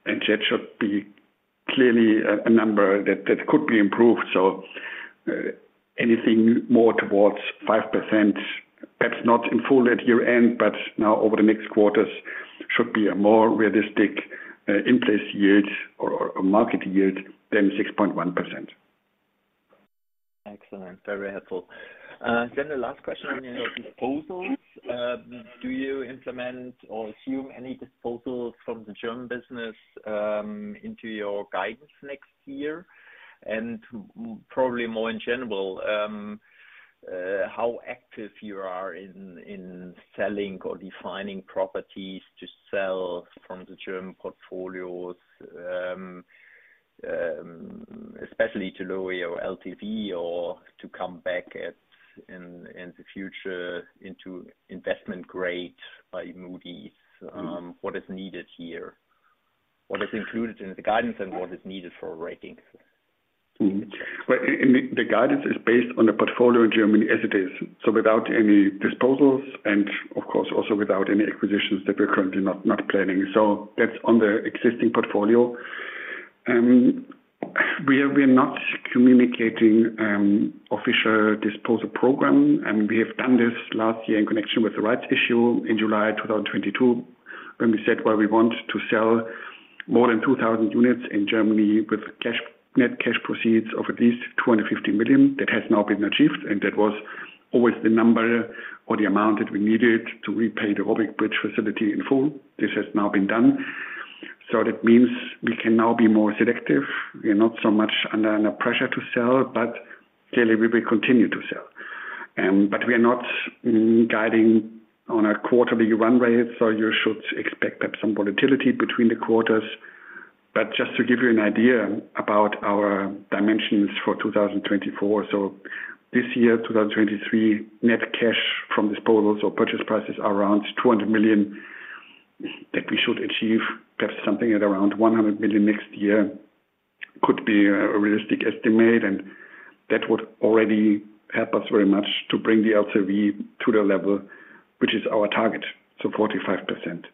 and that should be clearly a number that could be improved. So anything more towards 5%, perhaps not in full at year-end, but now over the next quarters, should be a more realistic in-place yield or a market yield than 6.1%. Excellent, very helpful. Then the last question on your disposals. Do you implement or assume any disposals from the German business into your guidance next year? And probably more in general, how active you are in selling or defining properties to sell from the German portfolios, especially to lower your LTV or to come back in the future into investment grade by Moody's. What is needed here? What is included in the guidance and what is needed for a rating? Mm-hmm. Well, the guidance is based on the portfolio in Germany as it is, so without any disposals and of course, also without any acquisitions that we're currently not planning. So that's on the existing portfolio. We are not communicating official disposal program, and we have done this last year in connection with the rights issue in July of 2022, when we said, well, we want to sell more than 2,000 units in Germany with cash, net cash proceeds of at least 250 million. That has now been achieved, and that was always the number or the amount that we needed to repay the ROBYG Bridge facility in full. This has now been done, so that means we can now be more selective. We are not so much under pressure to sell, but clearly we will continue to sell. But we are not guiding on a quarterly run rate, so you should expect perhaps some volatility between the quarters. But just to give you an idea about our dimensions for 2024. So this year, 2023, net cash from disposals or purchase prices are around 200 million, that we should achieve perhaps something at around 100 million next year, could be a realistic estimate, and that would already help us very much to bring the LTV to the level, which is our target, so 45%.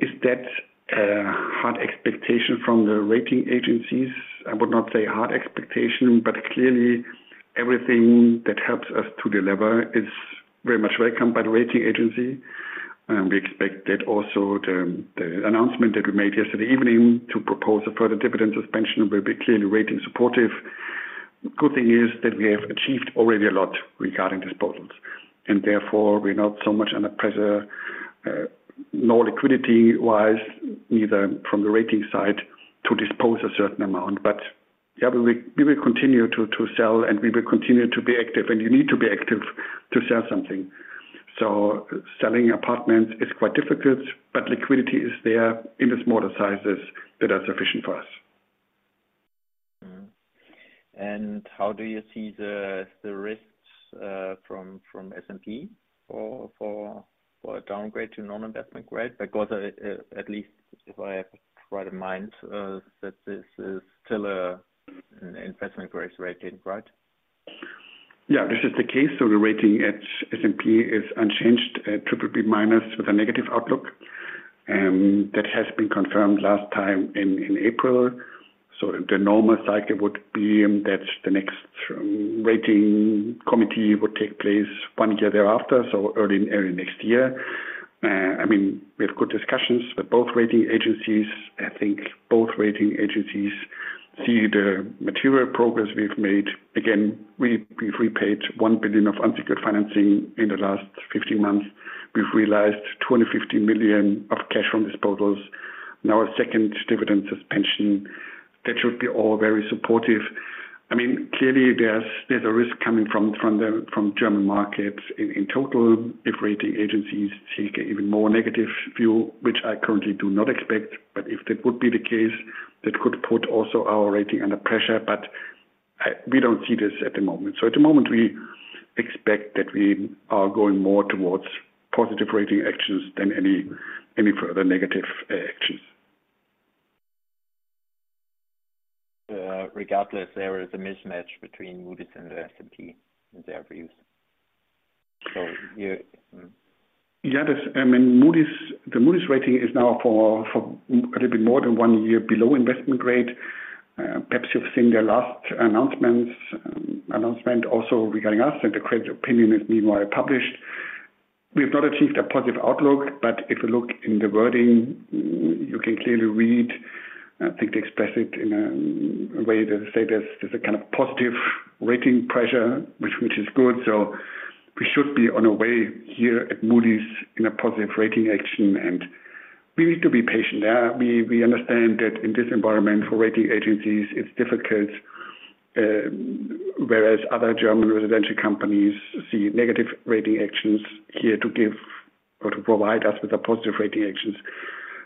Is that a hard expectation from the rating agencies? I would not say hard expectation, but clearly everything that helps us to deliver is very much welcomed by the rating agency. We expect that also the announcement that we made yesterday evening to propose a further dividend suspension will be clearly rating supportive. Good thing is that we have achieved already a lot regarding disposals, and therefore we're not so much under pressure, nor liquidity wise, neither from the rating side to dispose a certain amount. But yeah, we will continue to sell and we will continue to be active, and you need to be active to sell something. So selling apartments is quite difficult, but liquidity is there in the smaller sizes that are sufficient for us. Mm-hmm. And how do you see the risks from S&P for a downgrade to non-investment grade? Because at least if I have right in mind, that this is still a investment grade rating, right? Yeah, this is the case. So the rating at S&P is unchanged at BBB- with a negative outlook, and that has been confirmed last time in April. So the normal cycle would be that the next rating committee would take place one year thereafter, so early next year. I mean, we have good discussions with both rating agencies. I think both rating agencies see the material progress we've made. Again, we've repaid 1 billion of unsecured financing in the last 15 months. We've realized 250 million of cash from disposals. Now, a second dividend suspension, that should be all very supportive. I mean, clearly, there's a risk coming from the German markets in total, if rating agencies take an even more negative view, which I currently do not expect. But if that would be the case, that could put also our rating under pressure. But I, we don't see this at the moment. So at the moment, we expect that we are going more towards positive rating actions than any, any further negative actions. Regardless, there is a mismatch between Moody's and the S&P in their views. So you Yeah, this, I mean, Moody's, the Moody's rating is now for a little bit more than one year below investment grade. Perhaps you've seen their last announcements, announcement also regarding us, and the credit opinion is meanwhile published. We've not achieved a positive outlook, but if you look in the wording, you can clearly read, I think they express it in a way that say there's a kind of positive rating pressure, which is good. So we should be on our way here at Moody's in a positive rating action, and we need to be patient. We understand that in this environment for rating agencies, it's difficult, whereas other German residential companies see negative rating actions here to give or to provide us with a positive rating actions.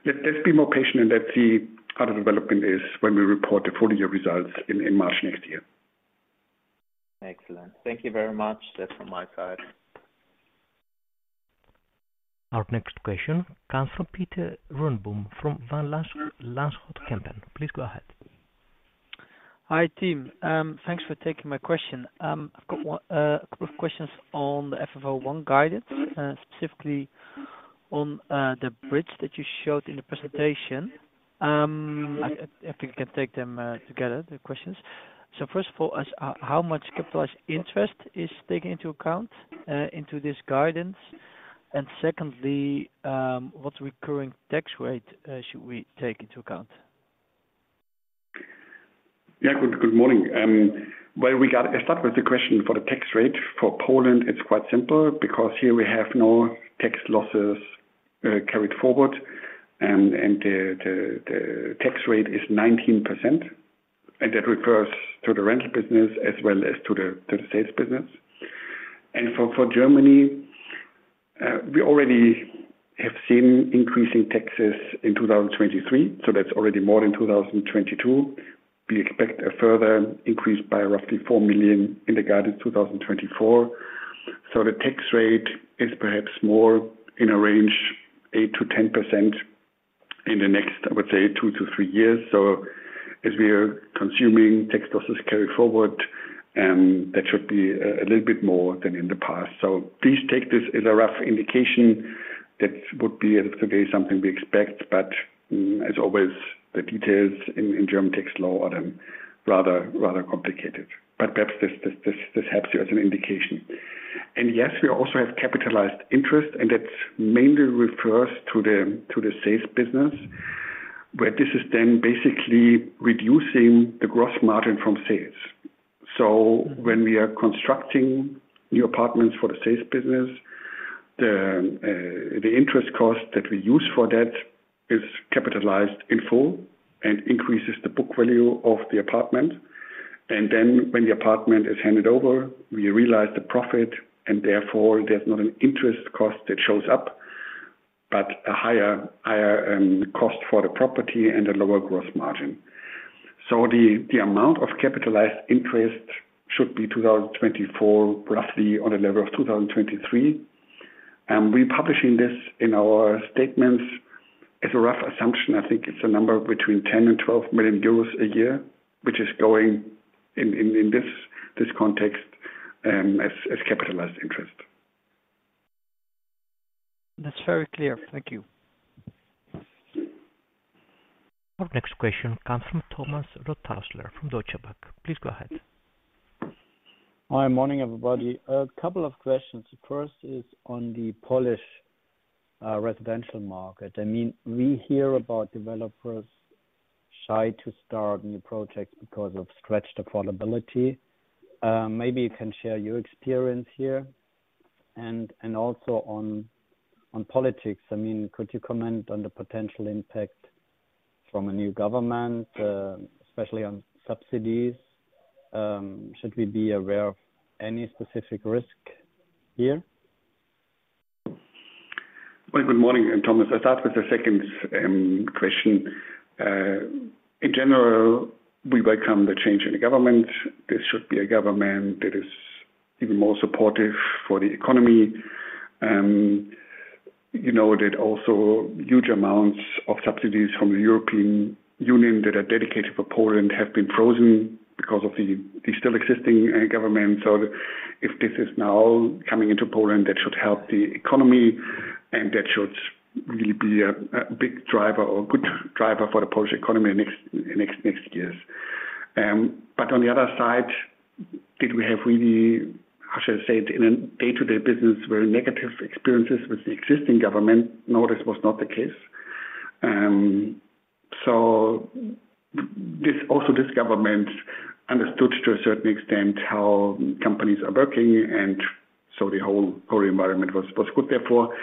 Let's be more patient and let's see how the development is when we report the full-year results in March next year. Excellent. Thank you very much. That's from my side. Our next question comes from Pieter Runneboom, from Van Lanschot Kempen. Please go ahead. Hi, team. Thanks for taking my question. I've got one, a couple of questions on the FFO I guidance, specifically on, the bridge that you showed in the presentation. I, if you can take them, together, the questions. So first of all, as how much capitalized interest is taken into account, into this guidance? And secondly, what recurring tax rate, should we take into account? Yeah, good, good morning. Well, we got, I'll start with the question for the tax rate. For Poland, it's quite simple, because here we have no tax losses carried forward, and, and the, the, the tax rate is 19%, and that refers to the rental business as well as to the, to the sales business. And for, for Germany, we already have seen increasing taxes in 2023, so that's already more in 2022. We expect a further increase by roughly 4 million in the guided 2024. So the tax rate is perhaps more in a range, 8%-10% in the next, I would say, two to three years. So as we are consuming tax losses carry forward, that should be a, a little bit more than in the past. Please take this as a rough indication. That would be, as today, something we expect, but as always, the details in German tax law are rather complicated. But perhaps this helps you as an indication. Yes, we also have capitalized interest, and that mainly refers to the sales business, where this is then basically reducing the gross margin from sales. So when we are constructing new apartments for the sales business, the interest cost that we use for that is capitalized in full and increases the book value of the apartment. And then when the apartment is handed over, we realize the profit, and therefore, there's not an interest cost that shows up, but a higher cost for the property and a lower gross margin. So the amount of capitalized interest should be 2024, roughly on the level of 2023. And we're publishing this in our statements. As a rough assumption, I think it's a number between 10 million and 12 million euros a year, which is going in this context, as capitalized interest. That's very clear. Thank you. Our next question comes from Thomas Rothäusler from Deutsche Bank. Please go ahead. Hi, morning, everybody. A couple of questions. First is on the Polish residential market. I mean, we hear about developers shy to start new projects because of stretched affordability. Maybe you can share your experience here. And also on politics, I mean, could you comment on the potential impact from a new government, especially on subsidies? Should we be aware of any specific risk here? Well, good morning, Thomas. I'll start with the second question. In general, we welcome the change in the government. This should be a government that is even more supportive for the economy. You know that also huge amounts of subsidies from the European Union that are dedicated for Poland have been frozen because of the still existing government. So if this is now coming into Poland, that should help the economy, and that should really be a big driver or good driver for the Polish economy in next years. But on the other side, did we have really, how should I say it, in a day-to-day business, very negative experiences with the existing government? No, this was not the case. So also, this government understood to a certain extent how companies are working, and so the whole political environment was good therefore.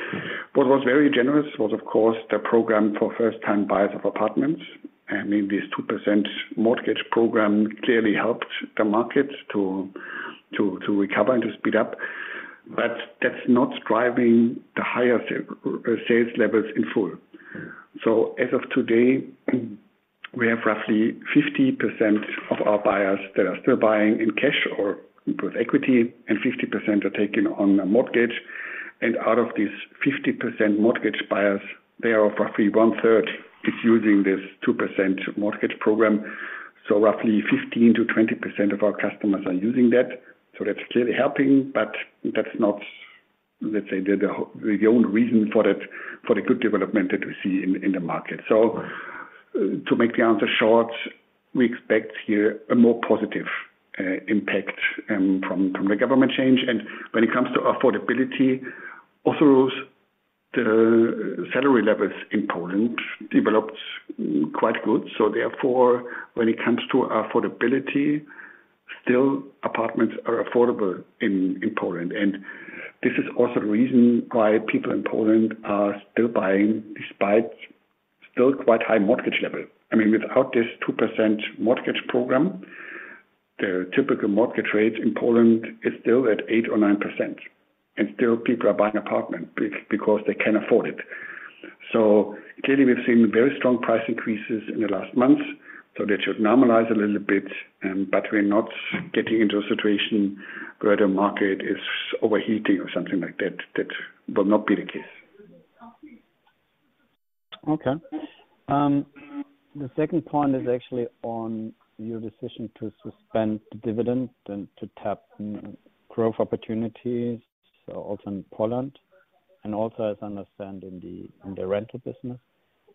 What was very generous was, of course, the program for first-time buyers of apartments. I mean, this 2% mortgage program clearly helped the market to recover and to speed up, but that's not driving the higher sales levels in full. So as of today, we have roughly 50% of our buyers that are still buying in cash or with equity, and 50% are taking on a mortgage. And out of these 50% mortgage buyers, they are roughly 1/3 is using this 2% mortgage program. So roughly 15%-20% of our customers are using that. So that's clearly helping, but that's not, let's say, the only reason for the good development that we see in the market. So to make the answer short, we expect here a more positive impact from the government change. And when it comes to affordability, also, the salary levels in Poland developed quite good. So therefore, when it comes to affordability, still apartments are affordable in Poland. And this is also the reason why people in Poland are still buying, despite still quite high mortgage level. I mean, without this 2% mortgage program, the typical mortgage rate in Poland is still at 8% or 9%, and still people are buying apartments because they can afford it. So clearly, we've seen very strong price increases in the last months, so that should normalize a little bit, but we're not getting into a situation where the market is overheating or something like that. That will not be the case. Okay. The second point is actually on your decision to suspend the dividend and to tap growth opportunities, so also in Poland, and also, as I understand, in the rental business.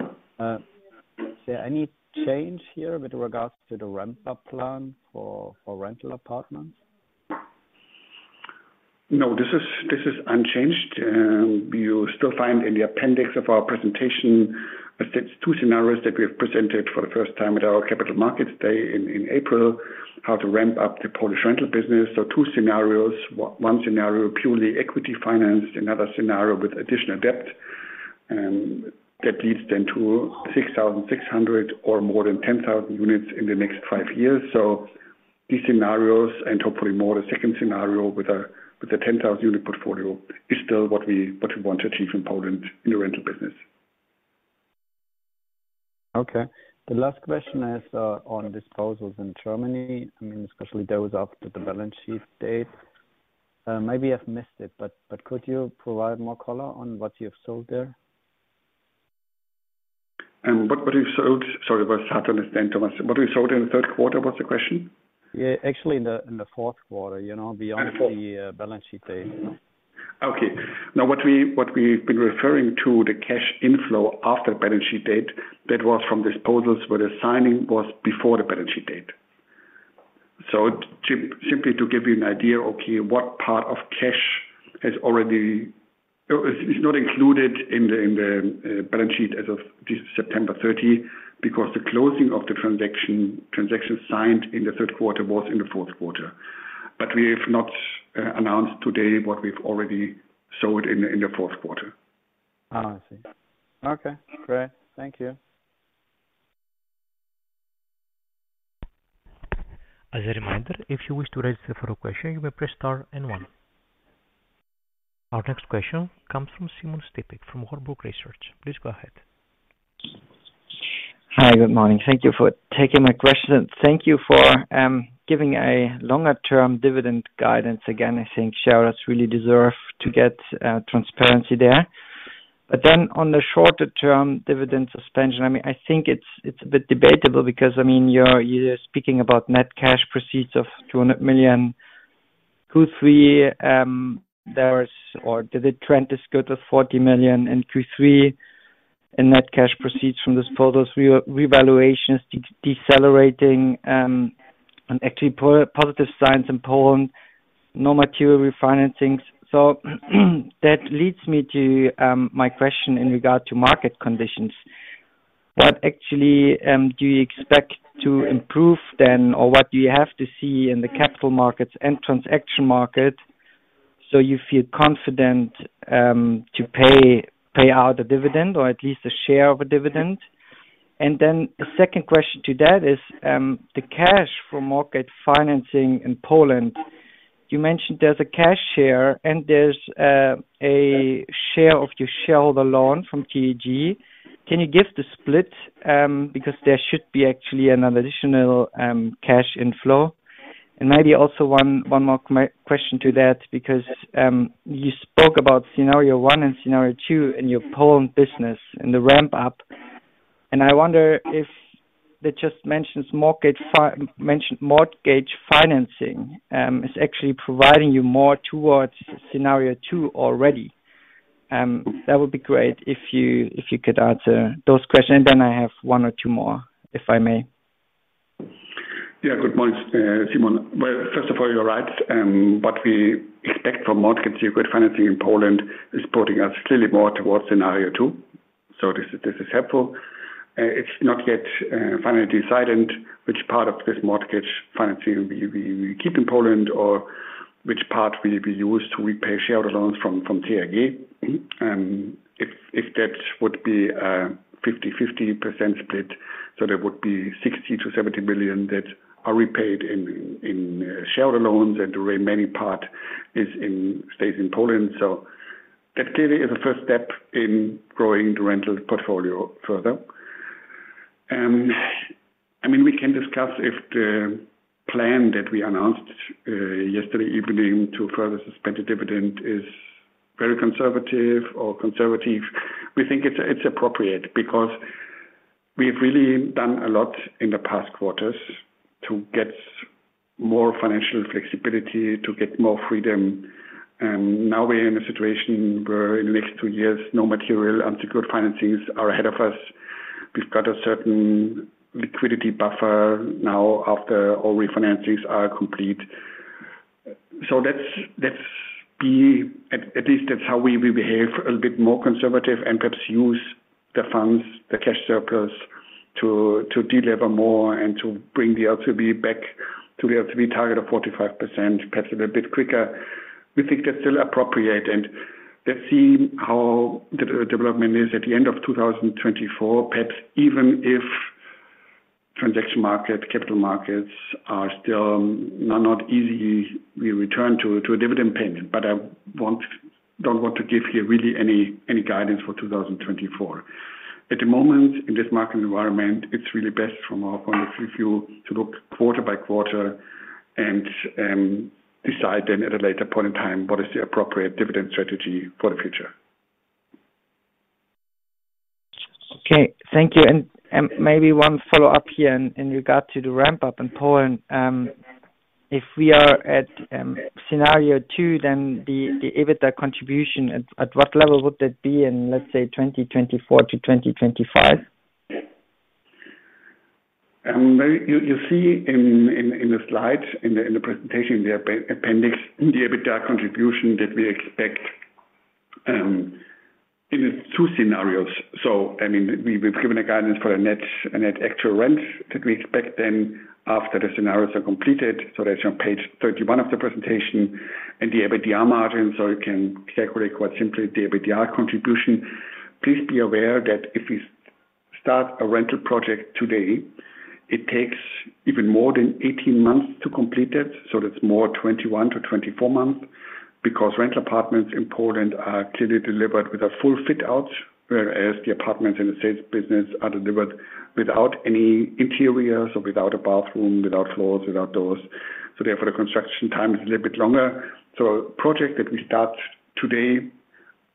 Is there any change here with regards to the ramp up plan for rental apartments? No, this is, this is unchanged. You still find in the appendix of our presentation, I state two scenarios that we have presented for the first time at our capital markets day in April, how to ramp up the Polish rental business. So two scenarios, one scenario, purely equity financed, another scenario with additional debt, and that leads then to 6,600 or more than 10,000 units in the next five years. So these scenarios, and hopefully more, the second scenario with a, with a 10,000 unit portfolio, is still what we, what we want to achieve in Poland in the rental business. Okay. The last question is on disposals in Germany, I mean, especially those after the balance sheet date. Maybe I've missed it, but could you provide more color on what you have sold there? What we sold, sorry, about [Saturn] and then Thomas. What we sold in the third quarter was the question? Yeah, actually, in the fourth quarter, you know, beyond the, In the fourth balance sheet date. Okay. Now, what we've been referring to, the cash inflow after the balance sheet date, that was from disposals, where the signing was before the balance sheet date. So simply to give you an idea, okay, what part of cash has already, is not included in the balance sheet as of this September thirty, because the closing of the transaction signed in the third quarter was in the fourth quarter. But we have not announced today what we've already sold in the fourth quarter. Oh, I see. Okay, great. Thank you. As a reminder, if you wish to raise the following question, you may press star and one. Our next question comes from Simon Stippig, from Hauck Research. Please go ahead. Hi, good morning. Thank you for taking my question. Thank you for giving a longer term dividend guidance. Again, I think shareholders really deserve to get transparency there. But then on the shorter term, dividend suspension, I mean, I think it's a bit debatable because, I mean, you're speaking about net cash proceeds of 200 million, Q3, or the trend is good of 40 million in Q3, and net cash proceeds from those property disposals, revaluations decelerating, and actually positive signs in Poland, no material refinancings. So, that leads me to my question in regard to market conditions. What actually do you expect to improve then, or what do you have to see in the capital markets and transaction market, so you feel confident to pay out a dividend or at least a share of a dividend? And then the second question to that is the cash from market financing in Poland. You mentioned there's a cash share and there's a share of your shareholder loan from TAG. Can you give the split? Because there should be actually an additional cash inflow. And maybe also one more question to that, because you spoke about scenario one and scenario two in your Poland business in the ramp up. And I wonder if the mentioned mortgage financing is actually providing you more towards scenario two already. That would be great if you could answer those questions, then I have one or two more, if I may. Yeah, good morning, Simon. Well, first of all, you're right, what we expect from mortgage-secured financing in Poland is putting us clearly more towards scenario two. So this, this is helpful. It's not yet, finally decided which part of this mortgage financing we, we, we keep in Poland or which part will be used to repay shareholder loans from, from TAG. If, if that would be a 50/50 percent split, so there would be 60 million-70 million that are repaid in, in shareholder loans, and the remaining part is in, stays in Poland. So that clearly is a first step in growing the rental portfolio further. I mean, we can discuss if the plan that we announced, yesterday evening to further suspend the dividend is very conservative or conservative. We think it's appropriate because we've really done a lot in the past quarters to get more financial flexibility, to get more freedom. And now we're in a situation where in the next two years, no material unsecured financings are ahead of us. We've got a certain liquidity buffer now after all refinancings are complete. So let's be at least that's how we will behave a bit more conservative and perhaps use the funds, the cash surplus, to delever more and to bring the LTV back to the LTV target of 45%, perhaps a little bit quicker. We think that's still appropriate, and let's see how the development is at the end of 2024. Perhaps even if transaction market, capital markets are still not easy, we return to a dividend payment. But I don't want to give here really any guidance for 2024. At the moment, in this market environment, it's really best from our point of view, to look quarter by quarter and decide then at a later point in time, what is the appropriate dividend strategy for the future. Okay, thank you. Maybe one follow-up here in regard to the ramp up in Poland. If we are at scenario two, then the EBITDA contribution, at what level would that be in, let's say, 2024-2025? Maybe you see in the slides, in the presentation, the appendix, the EBITDA contribution that we expect in the two scenarios. So, I mean, we've given a guidance for a net extra rent that we expect then after the scenarios are completed. So that's on page 31 of the presentation and the EBITDA margin, so you can calculate quite simply the EBITDA contribution. Please be aware that if we start a rental project today, it takes even more than 18 months to complete it, so that's more 21-24 months. Because rental apartments in Poland are clearly delivered with a full fit out, whereas the apartments in the sales business are delivered without any interiors or without a bathroom, without floors, without doors. So therefore, the construction time is a little bit longer. So a project that we start today,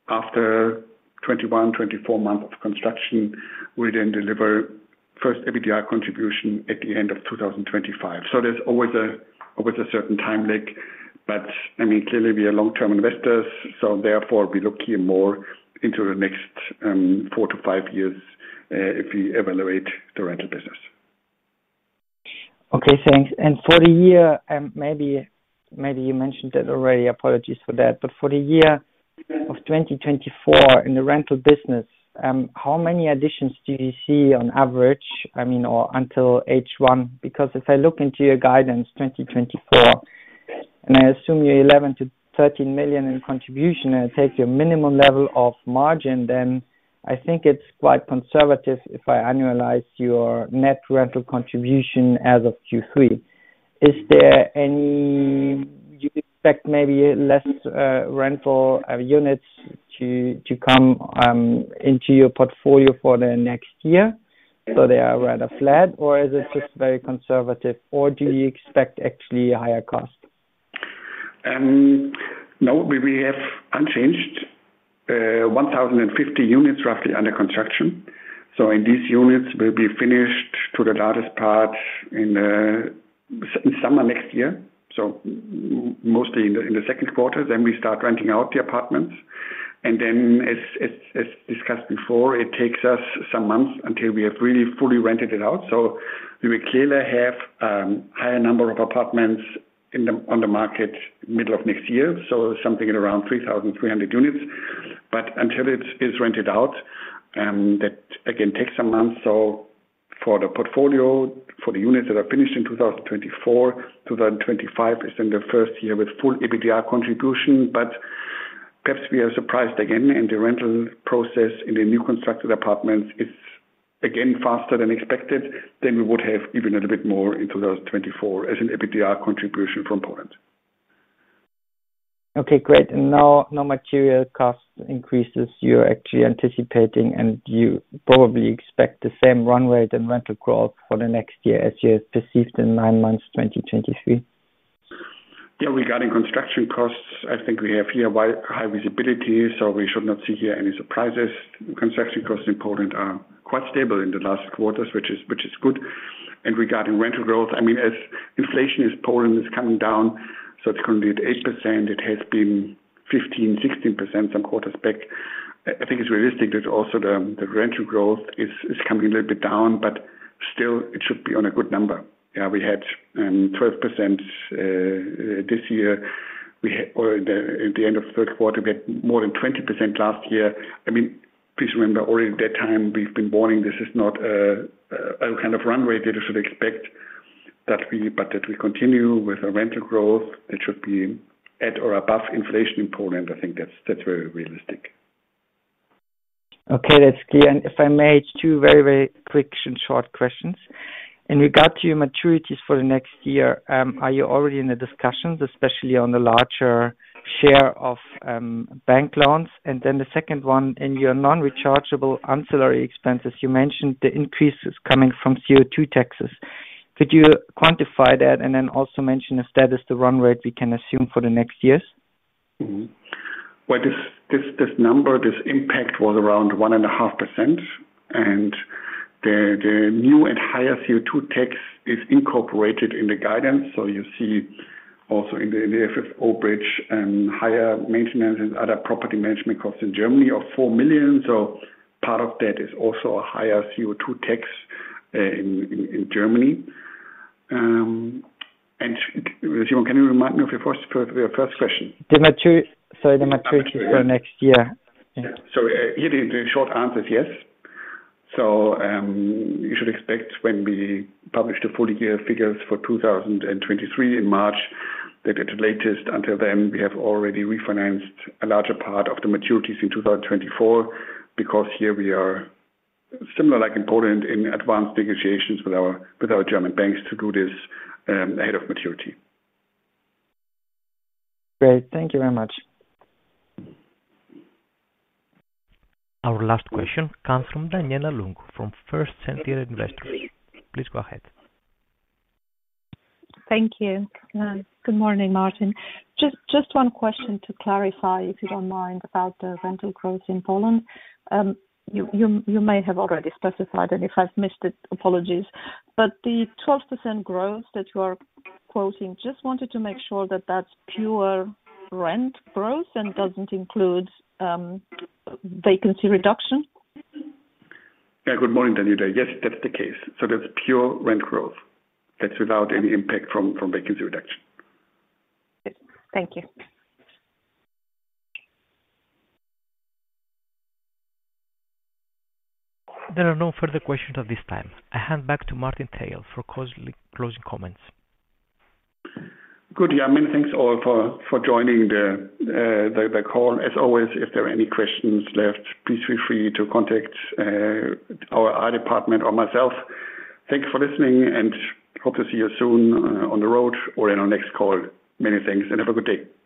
after 21-24 months of construction, we then deliver first EBITDA contribution at the end of 2025. So there's always a certain time lag, but, I mean, clearly we are long-term investors, so therefore, we look here more into the next, four to five years, if we evaluate the rental business. Okay, thanks. And for the year, maybe you mentioned it already, apologies for that. But for the year of 2024 in the rental business, how many additions do you see on average? I mean, or until H1, because if I look into your guidance, 2024, and I assume you're 11 million-13 million in contribution, and I take your minimum level of margin, then I think it's quite conservative if I annualize your net rental contribution as of Q3. Is there any, You expect maybe less rental units to come into your portfolio for the next year, so they are rather flat, or is it just very conservative, or do you expect actually a higher cost? No, we have unchanged 1,050 units roughly under construction. So these units will be finished to the largest part in summer next year, so mostly in the second quarter. Then we start renting out the apartments, and then as discussed before, it takes us some months until we have really fully rented it out. So we will clearly have higher number of apartments on the market middle of next year, so something around 3,300 units. But until it is rented out, that again takes some months. So for the portfolio, for the units that are finished in 2024, 2025 is in the first year with full EBITDA contribution. Perhaps we are surprised again, and the rental process in the new constructed apartments is again faster than expected, then we would have even a little bit more in 2024 as an EBITDA contribution from Poland. Okay, great. No, no material cost increases you're actually anticipating, and you probably expect the same run rate and rental growth for the next year as you have perceived in nine months, 2023. Yeah, regarding construction costs, I think we have here wide, high visibility, so we should not see here any surprises. Construction costs in Poland are quite stable in the last quarters, which is good. And regarding rental growth, I mean, as inflation in Poland is coming down, so it's currently at 8%, it has been 15%, 16% some quarters back. I think it's realistic that also the rental growth is coming a little bit down, but still it should be on a good number. Yeah, we had 12% this year. Or at the end of third quarter, we had more than 20% last year. I mean, please remember, already at that time we've been warning this is not a kind of runway that you should expect, that we, but that we continue with our rental growth. It should be at or above inflation in Poland. I think that's very realistic. Okay, that's clear. If I may, two very, very quick and short questions. In regard to your maturities for the next year, are you already in the discussions, especially on the larger share of, bank loans? And then the second one, in your non-rechargeable ancillary expenses, you mentioned the increases coming from CO2 taxes. Could you quantify that and then also mention if that is the run rate we can assume for the next years? Mm-hmm. Well, this number, this impact was around 1.5%, and the new and higher CO2 tax is incorporated in the guidance. So you see also in the FFO bridge, higher maintenance and other property management costs in Germany are 4 million. So part of that is also a higher CO2 tax in Germany. And can you remind me of your first question? The maturity for next year. Yeah. So, here the, the short answer is yes. So, you should expect when we publish the full-year figures for 2023 in March, that at the latest, until then, we have already refinanced a larger part of the maturities in 2024. Because here we are similar, like in Poland, in advanced negotiations with our, with our German banks to do this, ahead of maturity. Great. Thank you very much. Our last question comes from Daniela Lungu, from First Sentier Investors. Please go ahead. Thank you. Good morning, Martin. Just one question to clarify, if you don't mind, about the rental growth in Poland. You may have already specified, and if I've missed it, apologies. But the 12% growth that you are quoting, just wanted to make sure that that's pure rent growth and doesn't include vacancy reduction. Yeah, good morning, Daniella. Yes, that's the case. So that's pure rent growth. That's without any impact from vacancy reduction. Good. Thank you. There are no further questions at this time. I hand back to Martin Thiel for closing comments. Good. Yeah, many thanks all for joining the call. As always, if there are any questions left, please feel free to contact our IR department or myself. Thank you for listening and hope to see you soon on the road or in our next call. Many thanks, and have a good day.